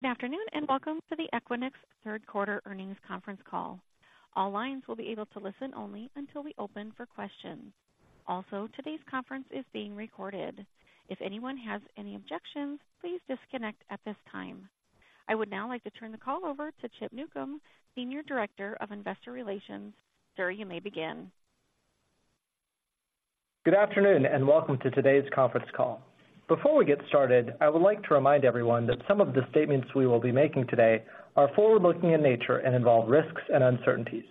Good afternoon, and welcome to the Equinix Third Quarter Earnings Conference Call. All lines will be able to listen only until we open for questions. Also, today's conference is being recorded. If anyone has any objections, please disconnect at this time. I would now like to turn the call over to Chip Newcom, Senior Director of Investor Relations. Sir, you may begin. Good afternoon, and welcome to today's conference call. Before we get started, I would like to remind everyone that some of the statements we will be making today are forward-looking in nature and involve risks and uncertainties.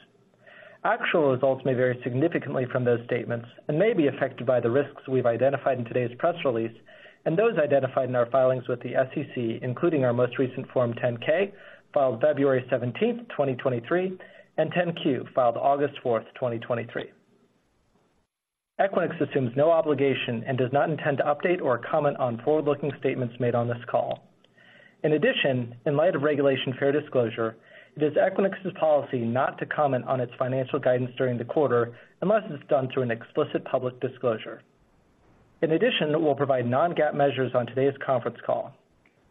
Actual results may vary significantly from those statements and may be affected by the risks we've identified in today's press release and those identified in our filings with the SEC, including our most recent Form 10-K, filed February 17, 2023, and 10-Q, filed August 4, 2023. Equinix assumes no obligation and does not intend to update or comment on forward-looking statements made on this call. In addition, in light of Regulation Fair Disclosure, it is Equinix's policy not to comment on its financial guidance during the quarter unless it's done through an explicit public disclosure. In addition, we'll provide non-GAAP measures on today's conference call.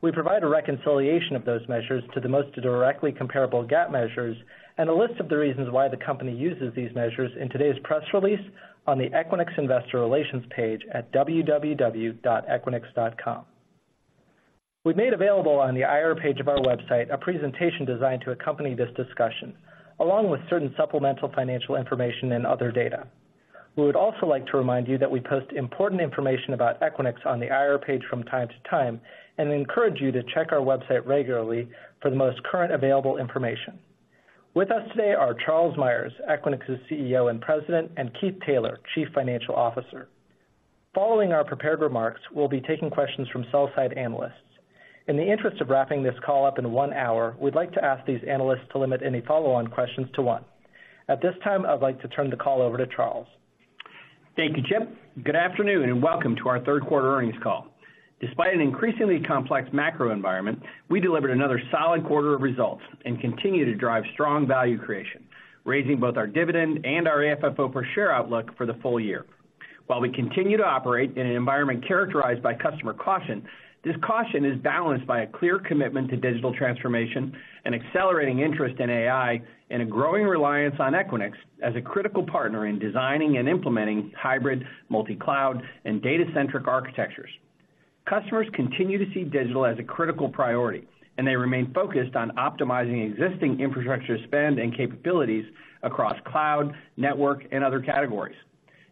We provide a reconciliation of those measures to the most directly comparable GAAP measures and a list of the reasons why the company uses these measures in today's press release on the Equinix Investor Relations page at www.equinix.com. We've made available on the IR page of our website a presentation designed to accompany this discussion, along with certain supplemental financial information and other data. We would also like to remind you that we post important information about Equinix on the IR page from time to time, and encourage you to check our website regularly for the most current available information. With us today are Charles Meyers, Equinix's CEO and President, and Keith Taylor, Chief Financial Officer. Following our prepared remarks, we'll be taking questions from sell-side analysts. In the interest of wrapping this call up in one hour, we'd like to ask these analysts to limit any follow-on questions to one. At this time, I'd like to turn the call over to Charles. Thank you, Chip. Good afternoon, and welcome to our third quarter earnings call. Despite an increasingly complex macro environment, we delivered another solid quarter of results and continue to drive strong value creation, raising both our dividend and our AFFO per share outlook for the full year. While we continue to operate in an environment characterized by customer caution, this caution is balanced by a clear commitment to digital transformation and accelerating interest in AI, and a growing reliance on Equinix as a critical partner in designing and implementing hybrid, multi-cloud, and data-centric architectures. Customers continue to see digital as a critical priority, and they remain focused on optimizing existing infrastructure spend and capabilities across cloud, network, and other categories.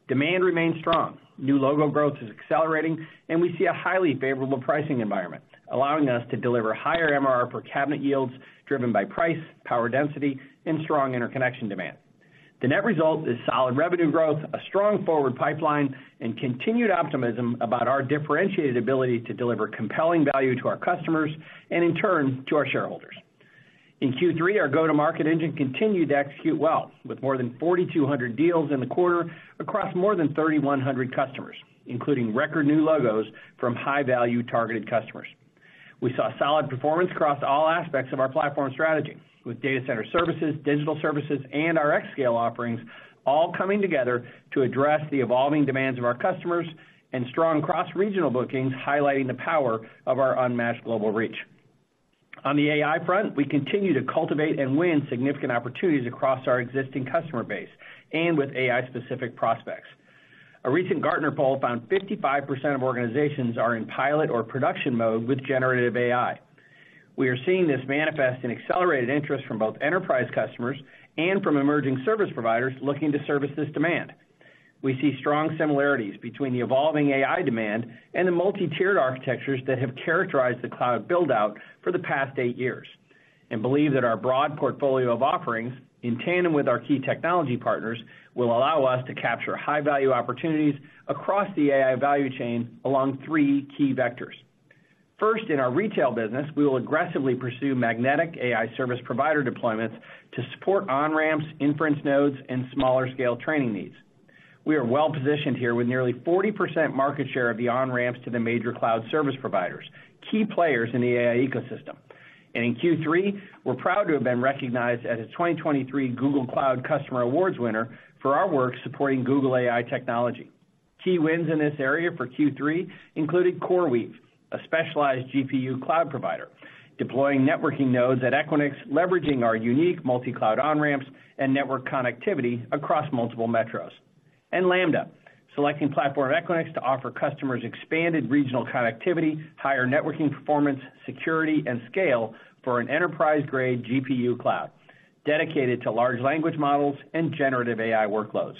Demand remains strong, new logo growth is accelerating, and we see a highly favorable pricing environment, allowing us to deliver higher MRR per cabinet yields driven by price, power density, and strong interconnection demand. The net result is solid revenue growth, a strong forward pipeline, and continued optimism about our differentiated ability to deliver compelling value to our customers and in turn, to our shareholders. In Q3, our go-to-market engine continued to execute well, with more than 4,200 deals in the quarter across more than 3,100 customers, including record new logos from high-value targeted customers. We saw solid performance across all aspects of our platform strategy, with data center services, digital services, and our xScale offerings all coming together to address the evolving demands of our customers, and strong cross-regional bookings, highlighting the power of our unmatched global reach. On the AI front, we continue to cultivate and win significant opportunities across our existing customer base and with AI-specific prospects. A recent Gartner poll found 55% of organizations are in pilot or production mode with generative AI. We are seeing this manifest in accelerated interest from both enterprise customers and from emerging service providers looking to service this demand. We see strong similarities between the evolving AI demand and the multi-tiered architectures that have characterized the cloud build-out for the past 8 years, and believe that our broad portfolio of offerings, in tandem with our key technology partners, will allow us to capture high-value opportunities across the AI value chain along three key vectors. First, in our retail business, we will aggressively pursue magnetic AI service provider deployments to support on-ramps, inference nodes, and smaller scale training needs. We are well-positioned here with nearly 40% market share of the on-ramps to the major cloud service providers, key players in the AI ecosystem. In Q3, we're proud to have been recognized as a 2023 Google Cloud Customer Awards winner for our work supporting Google AI technology. Key wins in this area for Q3 included CoreWeave, a specialized GPU cloud provider, deploying networking nodes at Equinix, leveraging our unique multi-cloud on-ramps and network connectivity across multiple metros. Lambda, selecting Platform Equinix to offer customers expanded regional connectivity, higher networking performance, security, and scale for an enterprise-grade GPU cloud dedicated to large language models and generative AI workloads.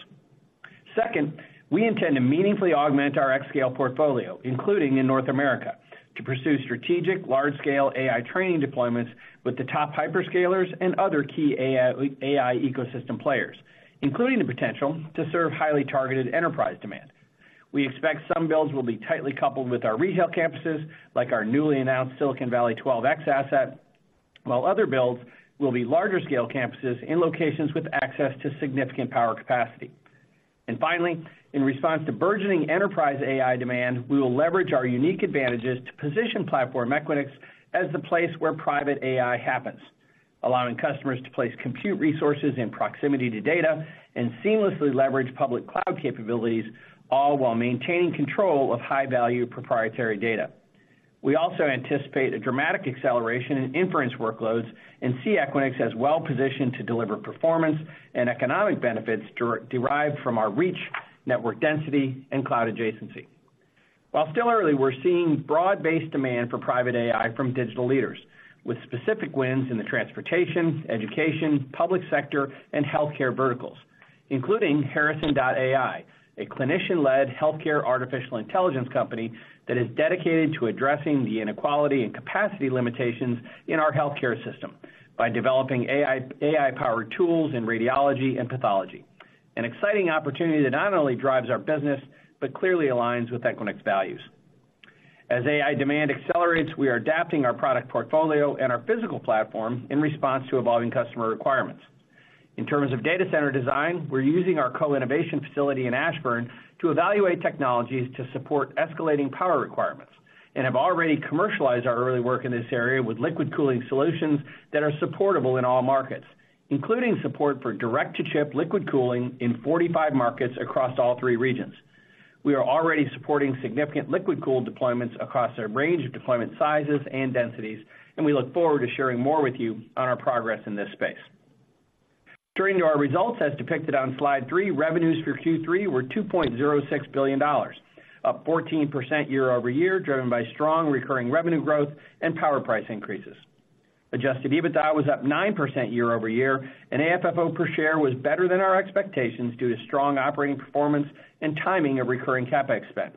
Second, we intend to meaningfully augment our xScale portfolio, including in North America, to pursue strategic, large-scale AI training deployments with the top hyperscalers and other key AI, AI ecosystem players, including the potential to serve highly targeted enterprise demand. We expect some builds will be tightly coupled with our retail campuses, like our newly announced Silicon Valley 12 xScale asset, while other builds will be larger scale campuses in locations with access to significant power capacity. Finally, in response to burgeoning enterprise AI demand, we will leverage our unique advantages to position Platform Equinix as the place where private AI happens... allowing customers to place compute resources in proximity to data and seamlessly leverage public cloud capabilities, all while maintaining control of high-value proprietary data. We also anticipate a dramatic acceleration in inference workloads, and see Equinix as well-positioned to deliver performance and economic benefits derived from our reach, network density, and cloud adjacency. While still early, we're seeing broad-based demand for private AI from digital leaders, with specific wins in the transportation, education, public sector, and healthcare verticals, including Harrison.ai, a clinician-led healthcare artificial intelligence company that is dedicated to addressing the inequality and capacity limitations in our healthcare system by developing AI, AI-powered tools in radiology and pathology. An exciting opportunity that not only drives our business, but clearly aligns with Equinix values. As AI demand accelerates, we are adapting our product portfolio and our physical platform in response to evolving customer requirements. In terms of data center design, we're using our co-innovation facility in Ashburn to evaluate technologies to support escalating power requirements, and have already commercialized our early work in this area with liquid cooling solutions that are supportable in all markets, including support for direct-to-chip liquid cooling in 45 markets across all three regions. We are already supporting significant liquid cooled deployments across a range of deployment sizes and densities, and we look forward to sharing more with you on our progress in this space. Turning to our results as depicted on slide 3, revenues for Q3 were $2.06 billion, up 14% year-over-year, driven by strong recurring revenue growth and power price increases. Adjusted EBITDA was up 9% year-over-year, and AFFO per share was better than our expectations due to strong operating performance and timing of recurring CapEx spend.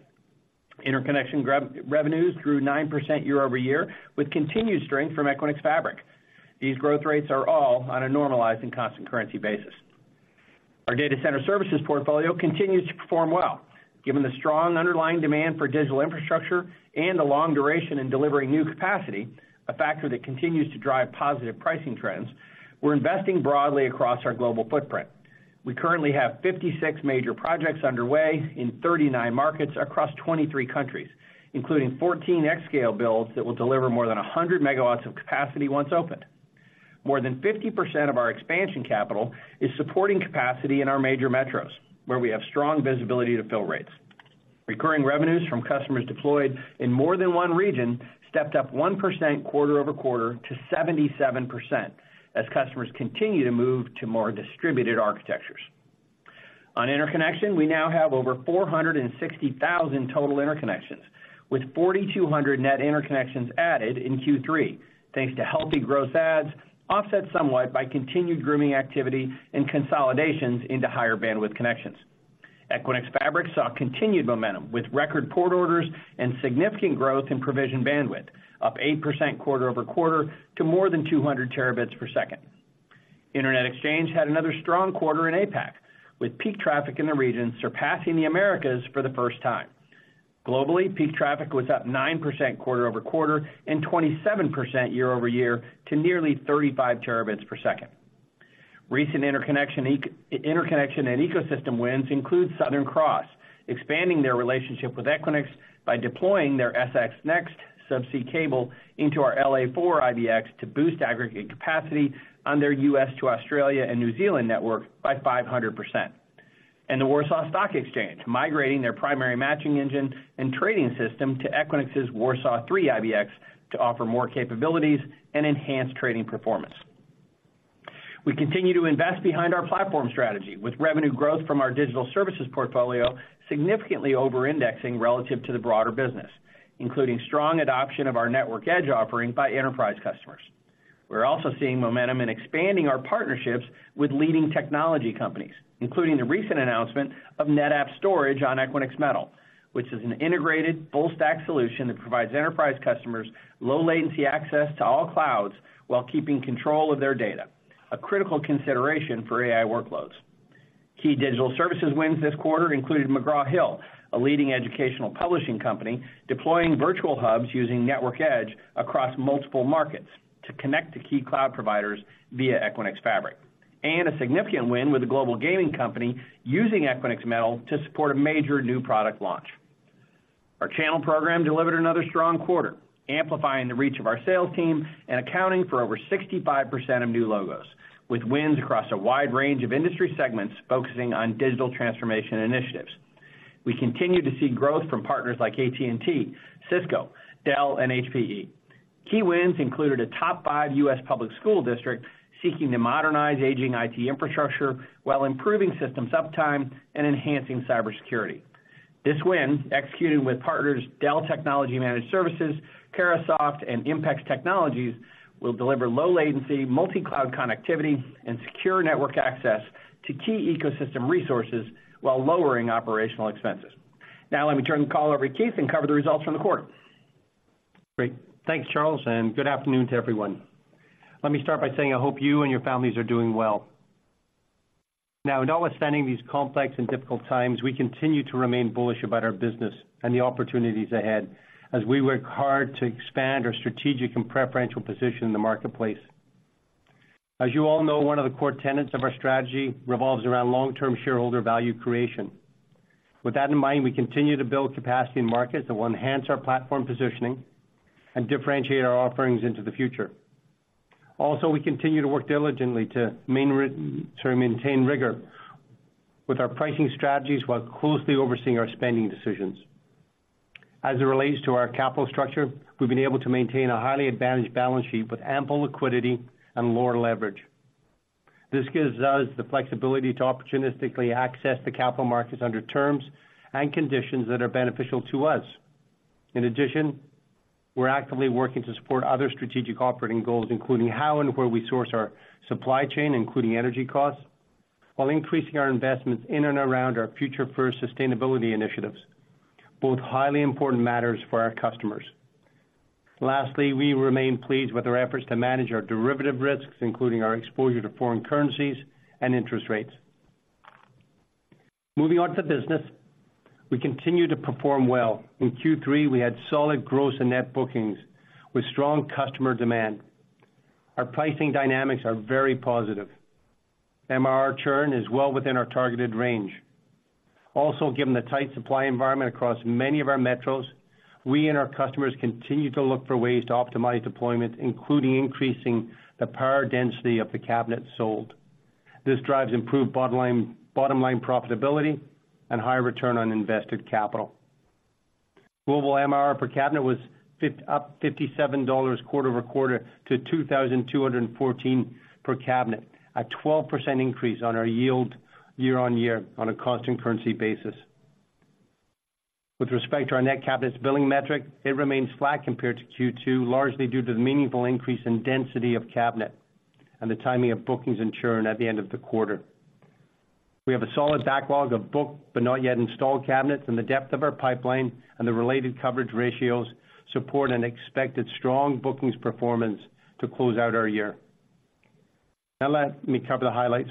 Interconnection revenues grew 9% year-over-year, with continued strength from Equinix Fabric. These growth rates are all on a normalized and constant currency basis. Our data center services portfolio continues to perform well. Given the strong underlying demand for digital infrastructure and the long duration in delivering new capacity, a factor that continues to drive positive pricing trends, we're investing broadly across our global footprint. We currently have 56 major projects underway in 39 markets across 23 countries, including 14 xScale builds that will deliver more than 100 megawatts of capacity once opened. More than 50% of our expansion capital is supporting capacity in our major metros, where we have strong visibility to fill rates. Recurring revenues from customers deployed in more than one region stepped up 1% quarter-over-quarter to 77%, as customers continue to move to more distributed architectures. On interconnection, we now have over 460,000 total interconnections, with 4,200 net interconnections added in Q3, thanks to healthy gross adds, offset somewhat by continued grooming activity and consolidations into higher bandwidth connections. Equinix Fabric saw continued momentum, with record port orders and significant growth in provision bandwidth, up 8% quarter-over-quarter to more than 200 Tbps. Internet Exchange had another strong quarter in APAC, with peak traffic in the region surpassing the Americas for the first time. Globally, peak traffic was up 9% quarter-over-quarter and 27% year-over-year to nearly 35 Tbps. Recent interconnection and ecosystem wins include Southern Cross, expanding their relationship with Equinix by deploying their SX Next subsea cable into our LA4 IBX to boost aggregate capacity on their US to Australia and New Zealand network by 500%. And the Warsaw Stock Exchange, migrating their primary matching engine and trading system to Equinix's Warsaw 3 IBX to offer more capabilities and enhance trading performance. We continue to invest behind our platform strategy, with revenue growth from our digital services portfolio significantly over-indexing relative to the broader business, including strong adoption of our Network Edge offering by enterprise customers. We're also seeing momentum in expanding our partnerships with leading technology companies, including the recent announcement of NetApp storage on Equinix Metal, which is an integrated, full-stack solution that provides enterprise customers low latency access to all clouds while keeping control of their data, a critical consideration for AI workloads. Key digital services wins this quarter included McGraw Hill, a leading educational publishing company, deploying virtual hubs using Network Edge across multiple markets to connect to key cloud providers via Equinix Fabric, and a significant win with a global gaming company using Equinix Metal to support a major new product launch. Our channel program delivered another strong quarter, amplifying the reach of our sales team and accounting for over 65% of new logos, with wins across a wide range of industry segments focusing on digital transformation initiatives. We continue to see growth from partners like AT&T, Cisco, Dell, and HPE. Key wins included a top five U.S. public school district seeking to modernize aging IT infrastructure while improving system uptime and enhancing cybersecurity. This win, executed with partners Dell Technologies Managed Services, Carahsoft, and IMPEX Technologies, will deliver low latency, multi-cloud connectivity, and secure network access to key ecosystem resources while lowering operational expenses. Now, let me turn the call over to Keith and cover the results from the quarter. Great. Thanks, Charles, and good afternoon to everyone. Let me start by saying I hope you and your families are doing well. Now, notwithstanding these complex and difficult times, we continue to remain bullish about our business and the opportunities ahead as we work hard to expand our strategic and preferential position in the marketplace. As you all know, one of the core tenets of our strategy revolves around long-term shareholder value creation… With that in mind, we continue to build capacity in markets that will enhance our platform positioning and differentiate our offerings into the future. Also, we continue to work diligently to maintain rigor with our pricing strategies, while closely overseeing our spending decisions. As it relates to our capital structure, we've been able to maintain a highly advantaged balance sheet with ample liquidity and lower leverage. This gives us the flexibility to opportunistically access the capital markets under terms and conditions that are beneficial to us. In addition, we're actively working to support other strategic operating goals, including how and where we source our supply chain, including energy costs, while increasing our investments in and around our Future First sustainability initiatives, both highly important matters for our customers. Lastly, we remain pleased with our efforts to manage our derivative risks, including our exposure to foreign currencies and interest rates. Moving on to the business, we continue to perform well. In Q3, we had solid gross and net bookings with strong customer demand. Our pricing dynamics are very positive. MRR churn is well within our targeted range. Also, given the tight supply environment across many of our metros, we and our customers continue to look for ways to optimize deployment, including increasing the power density of the cabinets sold. This drives improved bottom line, bottom line profitability and higher return on invested capital. Global MRR per cabinet was up $57 quarter-over-quarter to $2,214 per cabinet, a 12% increase on our yield year-on-year on a constant currency basis. With respect to our net cabinets billing metric, it remains flat compared to Q2, largely due to the meaningful increase in density of cabinet and the timing of bookings and churn at the end of the quarter. We have a solid backlog of booked, but not yet installed cabinets, and the depth of our pipeline and the related coverage ratios support an expected strong bookings performance to close out our year. Now let me cover the highlights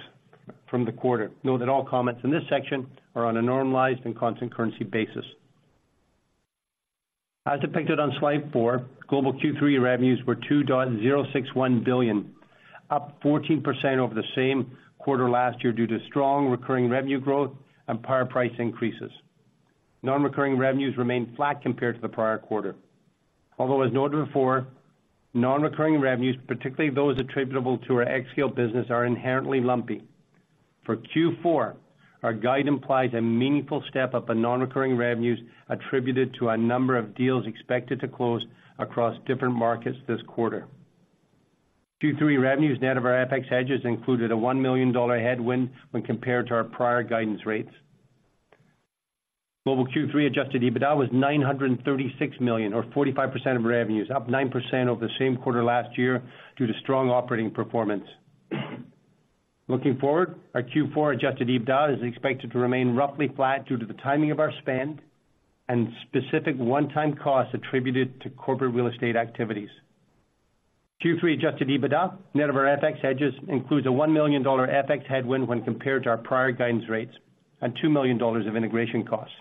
from the quarter. Note that all comments in this section are on a normalized and constant currency basis. As depicted on slide 4, global Q3 revenues were $2.061 billion, up 14% over the same quarter last year due to strong recurring revenue growth and power price increases. Non-recurring revenues remained flat compared to the prior quarter. Although, as noted before, non-recurring revenues, particularly those attributable to our xScale business, are inherently lumpy. For Q4, our guide implies a meaningful step-up in non-recurring revenues attributed to a number of deals expected to close across different markets this quarter. Q3 revenues, net of our FX hedges, included a $1 million headwind when compared to our prior guidance rates. Global Q3 adjusted EBITDA was $936 million, or 45% of revenues, up 9% over the same quarter last year due to strong operating performance. Looking forward, our Q4 adjusted EBITDA is expected to remain roughly flat due to the timing of our spend and specific one-time costs attributed to corporate real estate activities. Q3 adjusted EBITDA, net of our FX hedges, includes a $1 million FX headwind when compared to our prior guidance rates and $2 million of integration costs.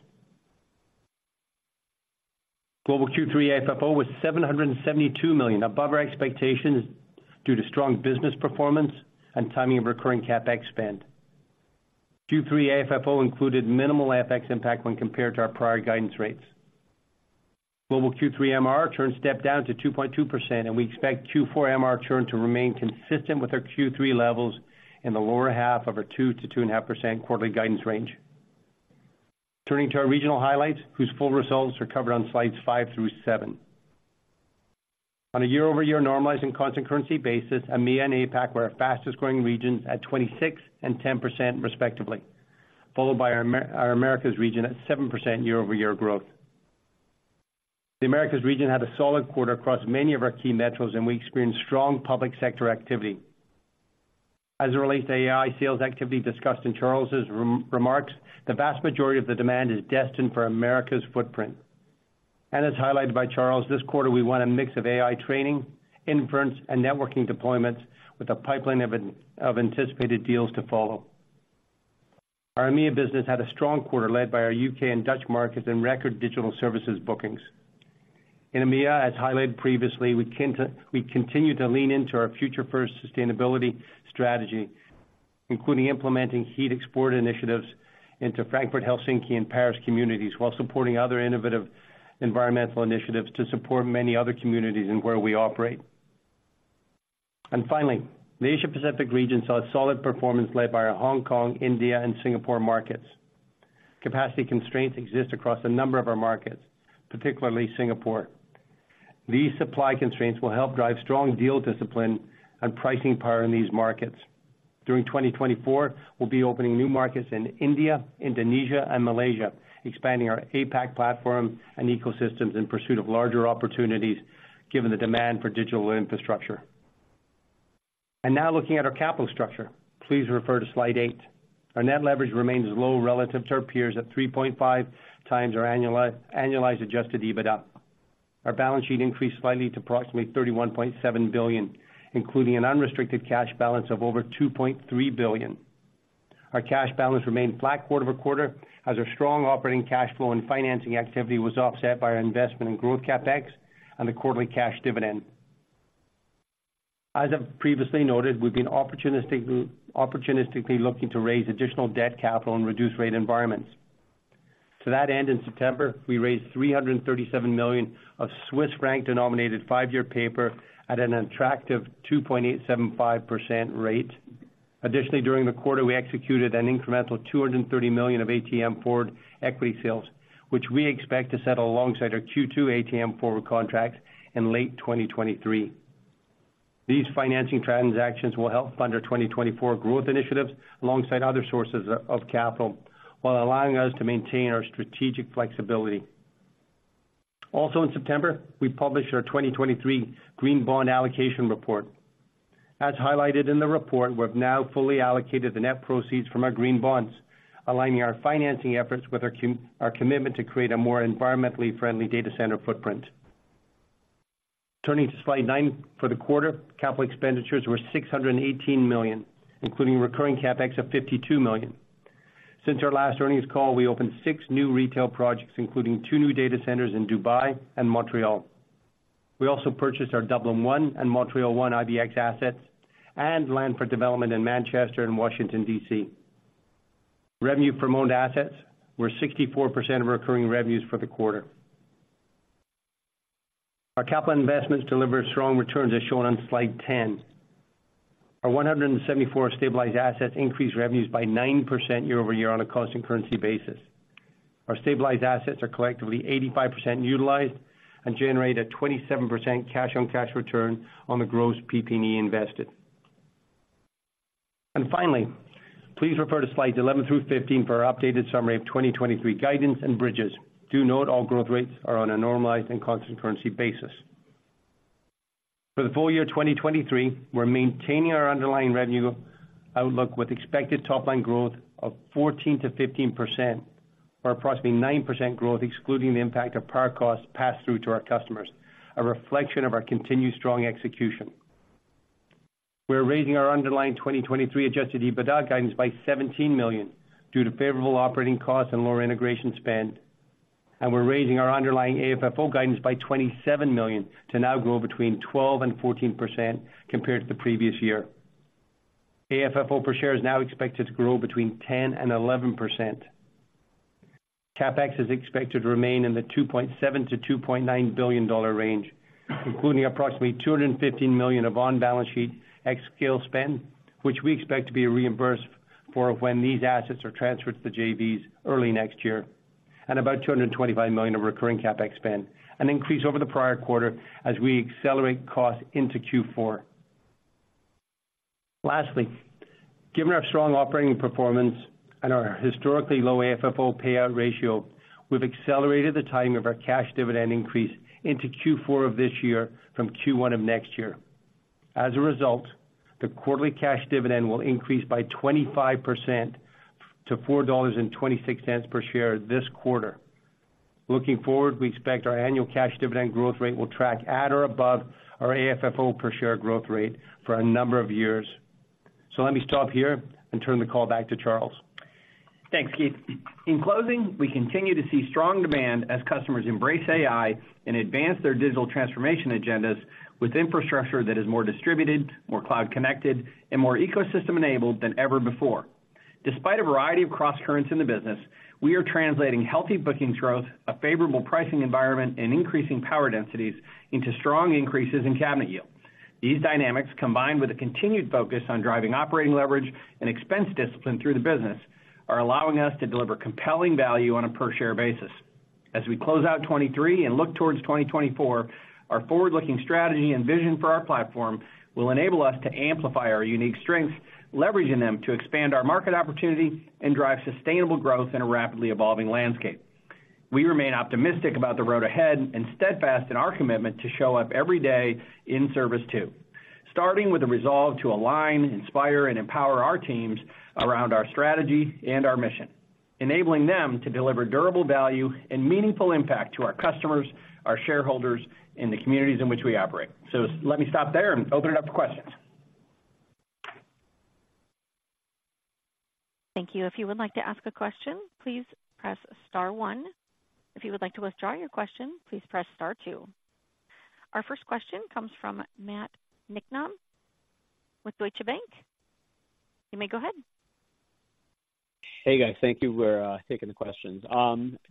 Global Q3 AFFO was $772 million, above our expectations, due to strong business performance and timing of recurring CapEx spend. Q3 AFFO included minimal FX impact when compared to our prior guidance rates. Global Q3 MRR churn stepped down to 2.2%, and we expect Q4 MRR churn to remain consistent with our Q3 levels in the lower half of our 2%-2.5% quarterly guidance range. Turning to our regional highlights, whose full results are covered on slides 5 through 7. On a year-over-year normalizing constant currency basis, EMEA and APAC were our fastest growing regions at 26% and 10% respectively, followed by our Americas region at 7% year-over-year growth. The Americas region had a solid quarter across many of our key metros, and we experienced strong public sector activity. As it relates to AI sales activity discussed in Charles' remarks, the vast majority of the demand is destined for Americas footprint. As highlighted by Charles, this quarter, we won a mix of AI training, inference, and networking deployments with a pipeline of anticipated deals to follow. Our EMEA business had a strong quarter, led by our UK and Dutch markets and record digital services bookings. In EMEA, as highlighted previously, we continue to lean into our Future First sustainability strategy, including implementing heat export initiatives into Frankfurt, Helsinki, and Paris communities, while supporting other innovative environmental initiatives to support many other communities in where we operate. Finally, the Asia Pacific region saw a solid performance led by our Hong Kong, India, and Singapore markets. Capacity constraints exist across a number of our markets, particularly Singapore. These supply constraints will help drive strong deal discipline and pricing power in these markets. During 2024, we'll be opening new markets in India, Indonesia, and Malaysia, expanding our APAC platform and ecosystems in pursuit of larger opportunities, given the demand for digital infrastructure. Now, looking at our capital structure. Please refer to slide 8. Our net leverage remains low relative to our peers at 3.5 times our annualized Adjusted EBITDA. Our balance sheet increased slightly to approximately $31.7 billion, including an unrestricted cash balance of over $2.3 billion. Our cash balance remained flat quarter-over-quarter, as our strong operating cash flow and financing activity was offset by our investment in growth CapEx and the quarterly cash dividend. As I've previously noted, we've been opportunistically looking to raise additional debt capital and reduce rate environments. To that end, in September, we raised 337 million of Swiss franc-denominated 5-year paper at an attractive 2.875% rate. Additionally, during the quarter, we executed an incremental $230 million of ATM forward equity sales, which we expect to settle alongside our Q2 ATM forward contracts in late 2023. These financing transactions will help fund our 2024 growth initiatives alongside other sources of capital, while allowing us to maintain our strategic flexibility. Also, in September, we published our 2023 Green Bond Allocation Report. As highlighted in the report, we've now fully allocated the net proceeds from our green bonds, aligning our financing efforts with our commitment to create a more environmentally friendly data center footprint. Turning to slide 9, for the quarter, capital expenditures were $618 million, including recurring CapEx of $52 million. Since our last earnings call, we opened 6 new retail projects, including 2 new data centers in Dubai and Montreal. We also purchased our Dublin 1 and Montreal 1 IBX assets and land for development in Manchester and Washington, DC. Revenue from owned assets were 64% of recurring revenues for the quarter. Our capital investments delivered strong returns, as shown on slide 10. Our 174 stabilized assets increased revenues by 9% year-over-year on a constant currency basis. Our stabilized assets are collectively 85% utilized and generate a 27% cash on cash return on the gross PP&E invested. Finally, please refer to slides 11 through 15 for our updated summary of 2023 guidance and bridges. Do note all growth rates are on a normalized and constant currency basis. For the full year 2023, we're maintaining our underlying revenue outlook with expected top line growth of 14%-15%, or approximately 9% growth, excluding the impact of power costs passed through to our customers, a reflection of our continued strong execution. We're raising our underlying 2023 adjusted EBITDA guidance by $17 million due to favorable operating costs and lower integration spend, and we're raising our underlying AFFO guidance by $27 million to now grow 12%-14% compared to the previous year. AFFO per share is now expected to grow 10%-11%. CapEx is expected to remain in the $2.7 billion-$2.9 billion range, including approximately $215 million of on-balance sheet xScale spend, which we expect to be reimbursed for when these assets are transferred to the JVs early next year, and about $225 million of recurring CapEx spend, an increase over the prior quarter as we accelerate costs into Q4. Lastly, given our strong operating performance and our historically low AFFO payout ratio, we've accelerated the timing of our cash dividend increase into Q4 of this year from Q1 of next year. As a result, the quarterly cash dividend will increase by 25% to $4.26 per share this quarter. Looking forward, we expect our annual cash dividend growth rate will track at or above our AFFO per share growth rate for a number of years. Let me stop here and turn the call back to Charles. Thanks, Keith. In closing, we continue to see strong demand as customers embrace AI and advance their digital transformation agendas with infrastructure that is more distributed, more cloud-connected, and more ecosystem-enabled than ever before. Despite a variety of crosscurrents in the business, we are translating healthy bookings growth, a favorable pricing environment, and increasing power densities into strong increases in cabinet yields. These dynamics, combined with a continued focus on driving operating leverage and expense discipline through the business, are allowing us to deliver compelling value on a per share basis. As we close out 2023 and look towards 2024, our forward-looking strategy and vision for our platform will enable us to amplify our unique strengths, leveraging them to expand our market opportunity and drive sustainable growth in a rapidly evolving landscape. We remain optimistic about the road ahead and steadfast in our commitment to show up every day in service too, starting with a resolve to align, inspire, and empower our teams around our strategy and our mission, enabling them to deliver durable value and meaningful impact to our customers, our shareholders, and the communities in which we operate. Let me stop there and open it up for questions. Thank you. If you would like to ask a question, please press star one. If you would like to withdraw your question, please press star two. Our first question comes from Matt Niknam with Deutsche Bank. You may go ahead. Hey, guys, thank you for taking the questions.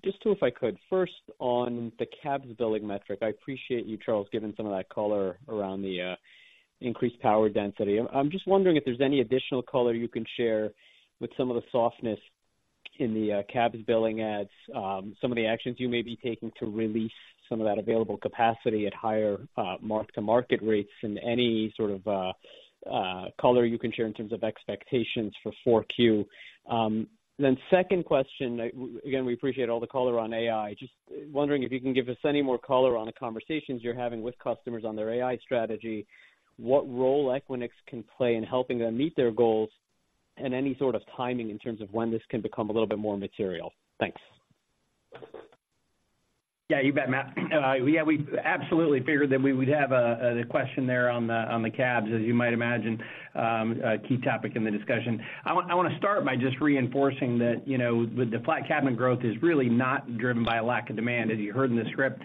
Just two, if I could. First, on the cabs billing metric, I appreciate you, Charles, giving some of that color around the increased power density. I'm just wondering if there's any additional color you can share with some of the softness in the cabs billing ads, some of the actions you may be taking to release some of that available capacity at higher mark-to-market rates and any sort of color you can share in terms of expectations for 4Q. Second question, again, we appreciate all the color on AI. Just wondering if you can give us any more color on the conversations you're having with customers on their AI strategy, what role Equinix can play in helping them meet their goals, and any sort of timing in terms of when this can become a little bit more material? Thanks. Yeah, you bet, Matt. Yeah, we absolutely figured that we would have a question there on the cabs, as you might imagine, a key topic in the discussion. I want to start by just reinforcing that, you know, with the flat cabinet growth is really not driven by a lack of demand, as you heard in the script.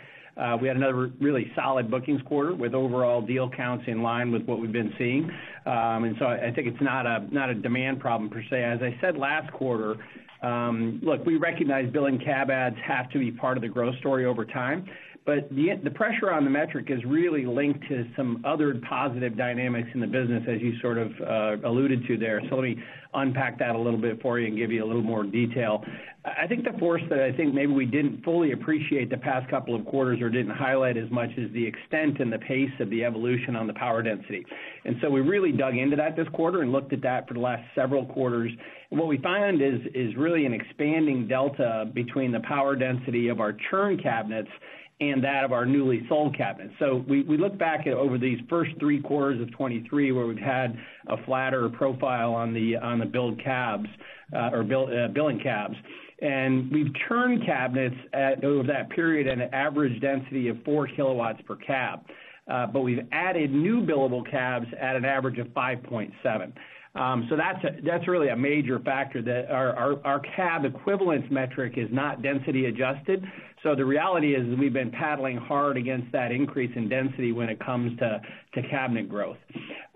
We had another really solid bookings quarter with overall deal counts in line with what we've been seeing. And so I think it's not a demand problem per se. As I said last quarter, look, we recognize billing cab adds have to be part of the growth story over time, but the pressure on the metric is really linked to some other positive dynamics in the business, as you sort of alluded to there. So let me unpack that a little bit for you and give you a little more detail. I think the force that I think maybe we didn't fully appreciate the past couple of quarters or didn't highlight as much is the extent and the pace of the evolution on the power density. And so we really dug into that this quarter and looked at that for the last several quarters. And what we found is really an expanding delta between the power density of our churn cabinets and that of our newly sold cabinets. So we look back over these first three quarters of 2023, where we've had a flatter profile on the billed cabs or billing cabs. We've churned cabinets at, over that period at an average density of 4 kW per cab, but we've added new billable cabs at an average of 5.7. So that's really a major factor, that our cab equivalence metric is not density adjusted. So the reality is, we've been paddling hard against that increase in density when it comes to cabinet growth.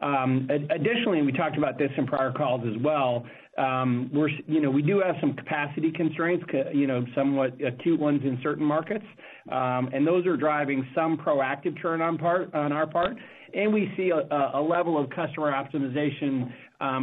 Additionally, we talked about this in prior calls as well, you know, we do have some capacity constraints, you know, somewhat acute ones in certain markets, and those are driving some proactive churn on our part, and we see a level of customer optimization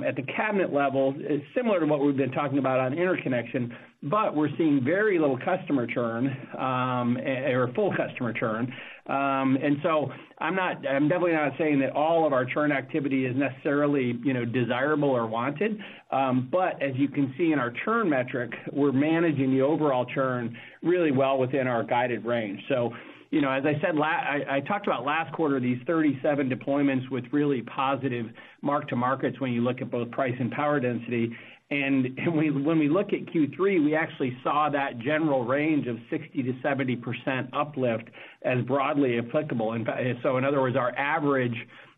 at the cabinet level, it's similar to what we've been talking about on interconnection, but we're seeing very little customer churn or full customer churn. I'm definitely not saying that all of our churn activity is necessarily, you know, desirable or wanted, but as you can see in our churn metric, we're managing the overall churn really well within our guided range. So, you know, as I said, I talked about last quarter, these 37 deployments with really positive mark-to-markets when you look at both price and power density. And when we look at Q3, we actually saw that general range of 60%-70% uplift as broadly applicable. So in other words, our average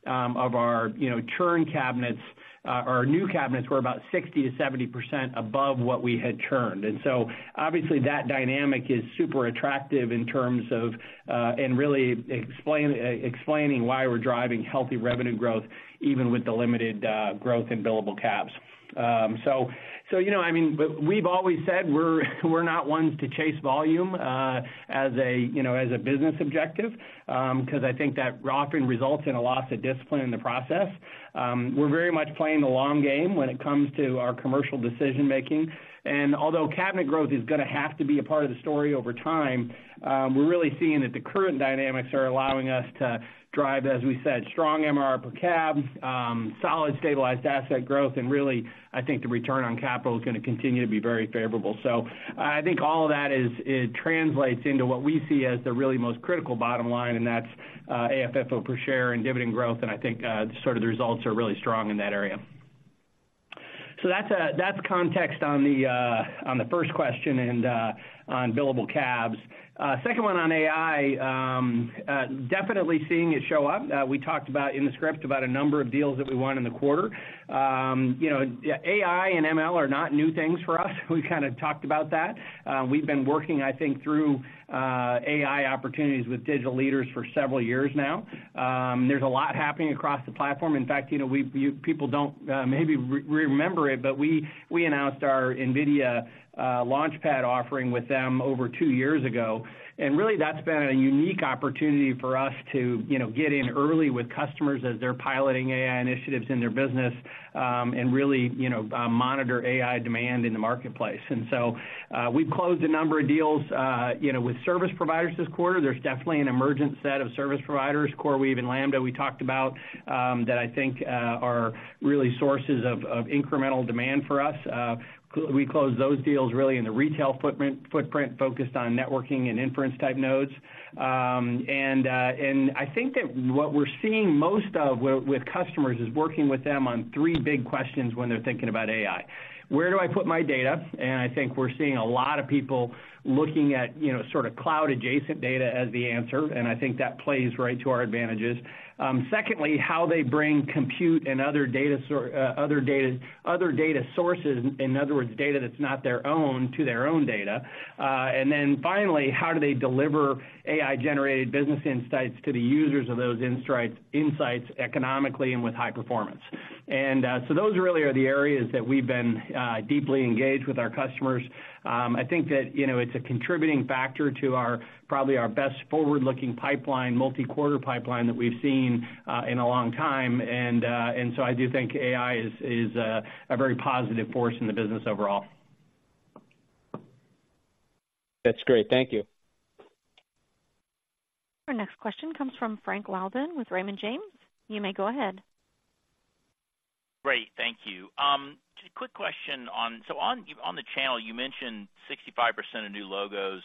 of our, you know, churn cabinets or new cabinets were about 60%-70% above what we had churned. So obviously, that dynamic is super attractive in terms of and really explaining why we're driving healthy revenue growth, even with the limited growth in billable cabs. So, you know, I mean, but we've always said, we're not ones to chase volume, as a, you know, as a business objective, because I think that often results in a loss of discipline in the process. We're very much playing the long game when it comes to our commercial decision-making. And although cabinet growth is going to have to be a part of the story over time, we're really seeing that the current dynamics are allowing us to drive, as we said, strong MRR per cab, solid stabilized asset growth, and really, I think the return on capital is going to continue to be very favorable. So I think all of that translates into what we see as the really most critical bottom line, and that's, AFFO per share and dividend growth, and I think, sort of the results are really strong in that area. So that's, that's context on the, on the first question and, on billable cabs. Second one on AI, definitely seeing it show up. We talked about in the script about a number of deals that we won in the quarter. You know, AI and ML are not new things for us. We kind of talked about that. We've been working, I think, through, AI opportunities with digital leaders for several years now. There's a lot happening across the platform. In fact, you know, people don't maybe remember it, but we announced our NVIDIA LaunchPad offering with them over two years ago. And really, that's been a unique opportunity for us to, you know, get in early with customers as they're piloting AI initiatives in their business, and really, you know, monitor AI demand in the marketplace. And so, we've closed a number of deals, you know, with service providers this quarter. There's definitely an emergent set of service providers, CoreWeave and Lambda, we talked about, that I think are really sources of incremental demand for us. We closed those deals really in the retail footprint focused on networking and inference-type nodes. And I think that what we're seeing most of with customers is working with them on three big questions when they're thinking about AI. Where do I put my data? And I think we're seeing a lot of people looking at, you know, sort of cloud-adjacent data as the answer, and I think that plays right to our advantages. Secondly, how they bring compute and other data sources, in other words, data that's not their own, to their own data. And then finally, how do they deliver AI-generated business insights to the users of those insights economically and with high performance? So those really are the areas that we've been deeply engaged with our customers. I think that, you know, it's a contributing factor to our, probably our best forward-looking pipeline, multi-quarter pipeline, that we've seen in a long time. And so I do think AI is a very positive force in the business overall. That's great. Thank you. Our next question comes from Frank Louthan with Raymond James. You may go ahead. Great, thank you. Quick question on... So on, on the channel, you mentioned 65% of new logos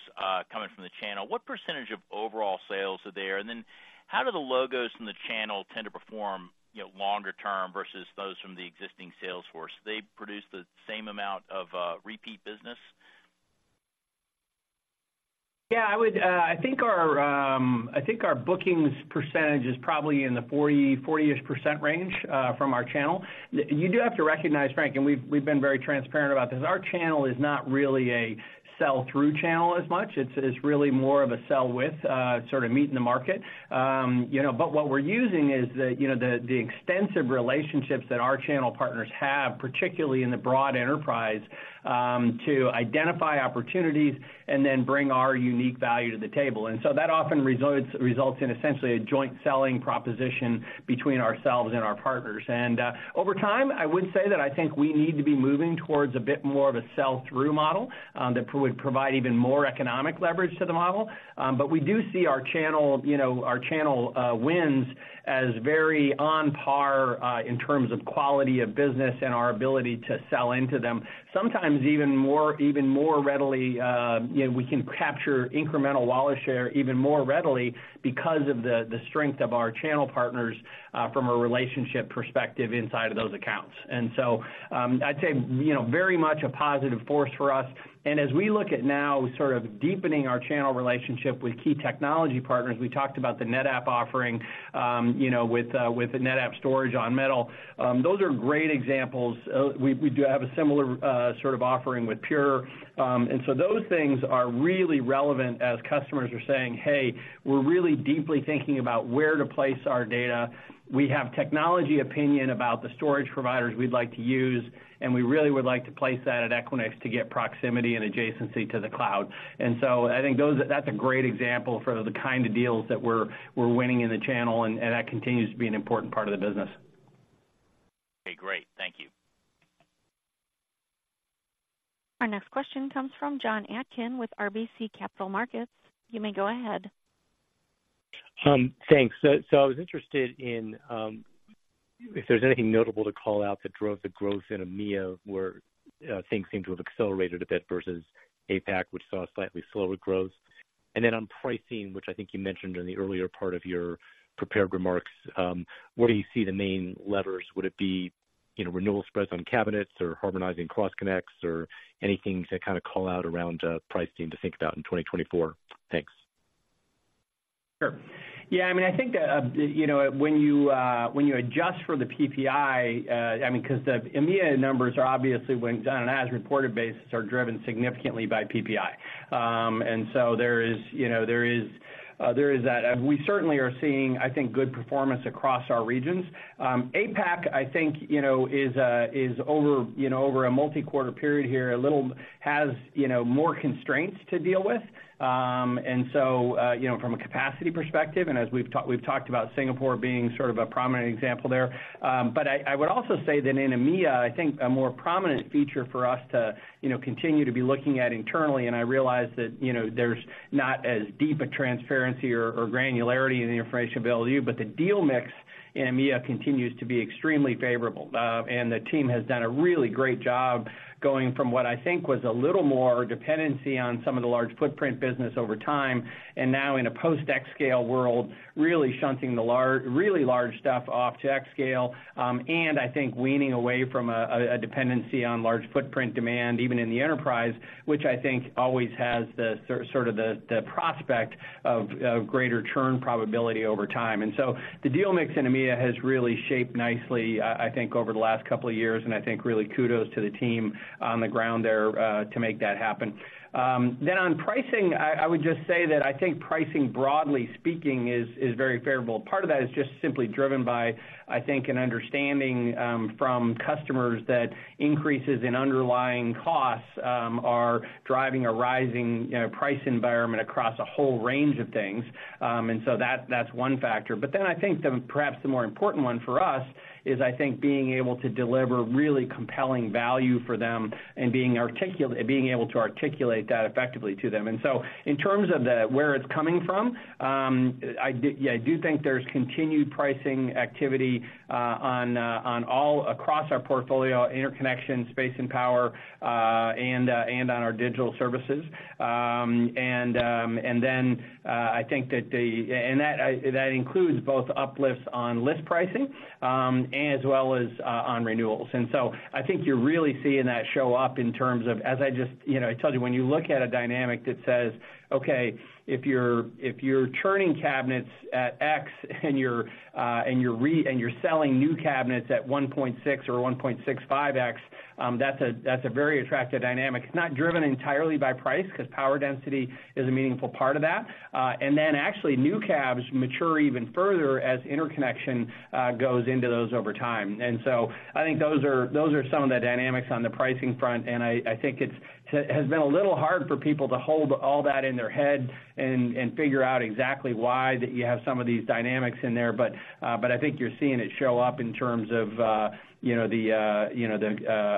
coming from the channel. What percentage of overall sales are there? And then how do the logos from the channel tend to perform, you know, longer term versus those from the existing sales force? Do they produce the same amount of repeat business? Yeah, I would, I think our, I think our bookings percentage is probably in the 40, 40-ish% range, from our channel. You do have to recognize, Frank, and we've, we've been very transparent about this. Our channel is not really a sell-through channel as much. It's, it's really more of a sell with, sort of meeting the market. You know, but what we're using is the, you know, the extensive relationships that our channel partners have, particularly in the broad enterprise, to identify opportunities and then bring our unique value to the table. And so that often results, results in essentially a joint selling proposition between ourselves and our partners. And, over time, I would say that I think we need to be moving towards a bit more of a sell-through model, that would provide even more economic leverage to the model. But we do see our channel, you know, our channel, wins as very on par, in terms of quality of business and our ability to sell into them, sometimes even more, even more readily, you know, we can capture incremental wallet share even more readily because of the, the strength of our channel partners, from a relationship perspective inside of those accounts. And so, I'd say, you know, very much a positive force for us. And as we look at now, sort of deepening our channel relationship with key technology partners, we talked about the NetApp offering, you know, with, with the NetApp storage on Metal. Those are great examples. We do have a similar sort of offering with Pure. And so those things are really relevant as customers are saying, "Hey, we're really deeply thinking about where to place our data. We have technology opinion about the storage providers we'd like to use, and we really would like to place that at Equinix to get proximity and adjacency to the cloud." And so I think those, that's a great example for the kind of deals that we're winning in the channel, and that continues to be an important part of the business. Okay, great. Thank you. Our next question comes from Jon Atkin with RBC Capital Markets. You may go ahead. Thanks. So I was interested in if there's anything notable to call out that drove the growth in EMEA, where things seem to have accelerated a bit versus APAC, which saw slightly slower growth. And then on pricing, which I think you mentioned in the earlier part of your prepared remarks, where do you see the main levers? Would it be, you know, renewal spreads on cabinets or harmonizing cross connects, or anything to kind of call out around pricing to think about in 2024? Thanks. Sure. Yeah, I mean, I think, you know, when you, when you adjust for the PPI, I mean, because the EMEA numbers are obviously, when down on as reported basis, are driven significantly by PPI. And so there is, you know, there is, there is that. We certainly are seeing, I think, good performance across our regions. APAC, I think, you know, is, is over, you know, over a multi-quarter period here, a little, has, you know, more constraints to deal with. And so, you know, from a capacity perspective, and as we've talked, we've talked about Singapore being sort of a prominent example there. But I, I would also say that in EMEA, I think a more prominent feature for us to, you know, continue to be looking at internally, and I realize that, you know, there's not as deep a transparency or, or granularity in the information availability, but the deal mix in EMEA continues to be extremely favorable. And the team has done a really great job going from what I think was a little more dependency on some of the large footprint business over time, and now in a post xScale world, really shunting the large, really large stuff off to xScale, and I think weaning away from a, a dependency on large footprint demand, even in the enterprise, which I think always has the sort of the, the prospect of, of greater churn probability over time. The deal mix in EMEA has really shaped nicely, I think, over the last couple of years, and I think really kudos to the team on the ground there, to make that happen. On pricing, I would just say that I think pricing, broadly speaking, is very favorable. Part of that is just simply driven by, I think, an understanding from customers that increases in underlying costs are driving a rising, you know, price environment across a whole range of things. That's one factor. I think perhaps the more important one for us is, I think, being able to deliver really compelling value for them and being able to articulate that effectively to them. And so in terms of where it's coming from, I do think there's continued pricing activity on all across our portfolio, interconnection, space and power, and on our digital services. And then I think that that includes both uplifts on list pricing as well as on renewals. And so I think you're really seeing that show up in terms of as I just you know I told you, when you look at a dynamic that says, okay, if you're churning cabinets at X, and you're selling new cabinets at 1.6 or 1.65 X, that's a very attractive dynamic. It's not driven entirely by price, because power density is a meaningful part of that. And then actually, new cabs mature even further as interconnection goes into those over time. And so I think those are, those are some of the dynamics on the pricing front, and I, I think it's, has been a little hard for people to hold all that in their head and, and figure out exactly why that you have some of these dynamics in there. But, but I think you're seeing it show up in terms of, you know, the, you know, the,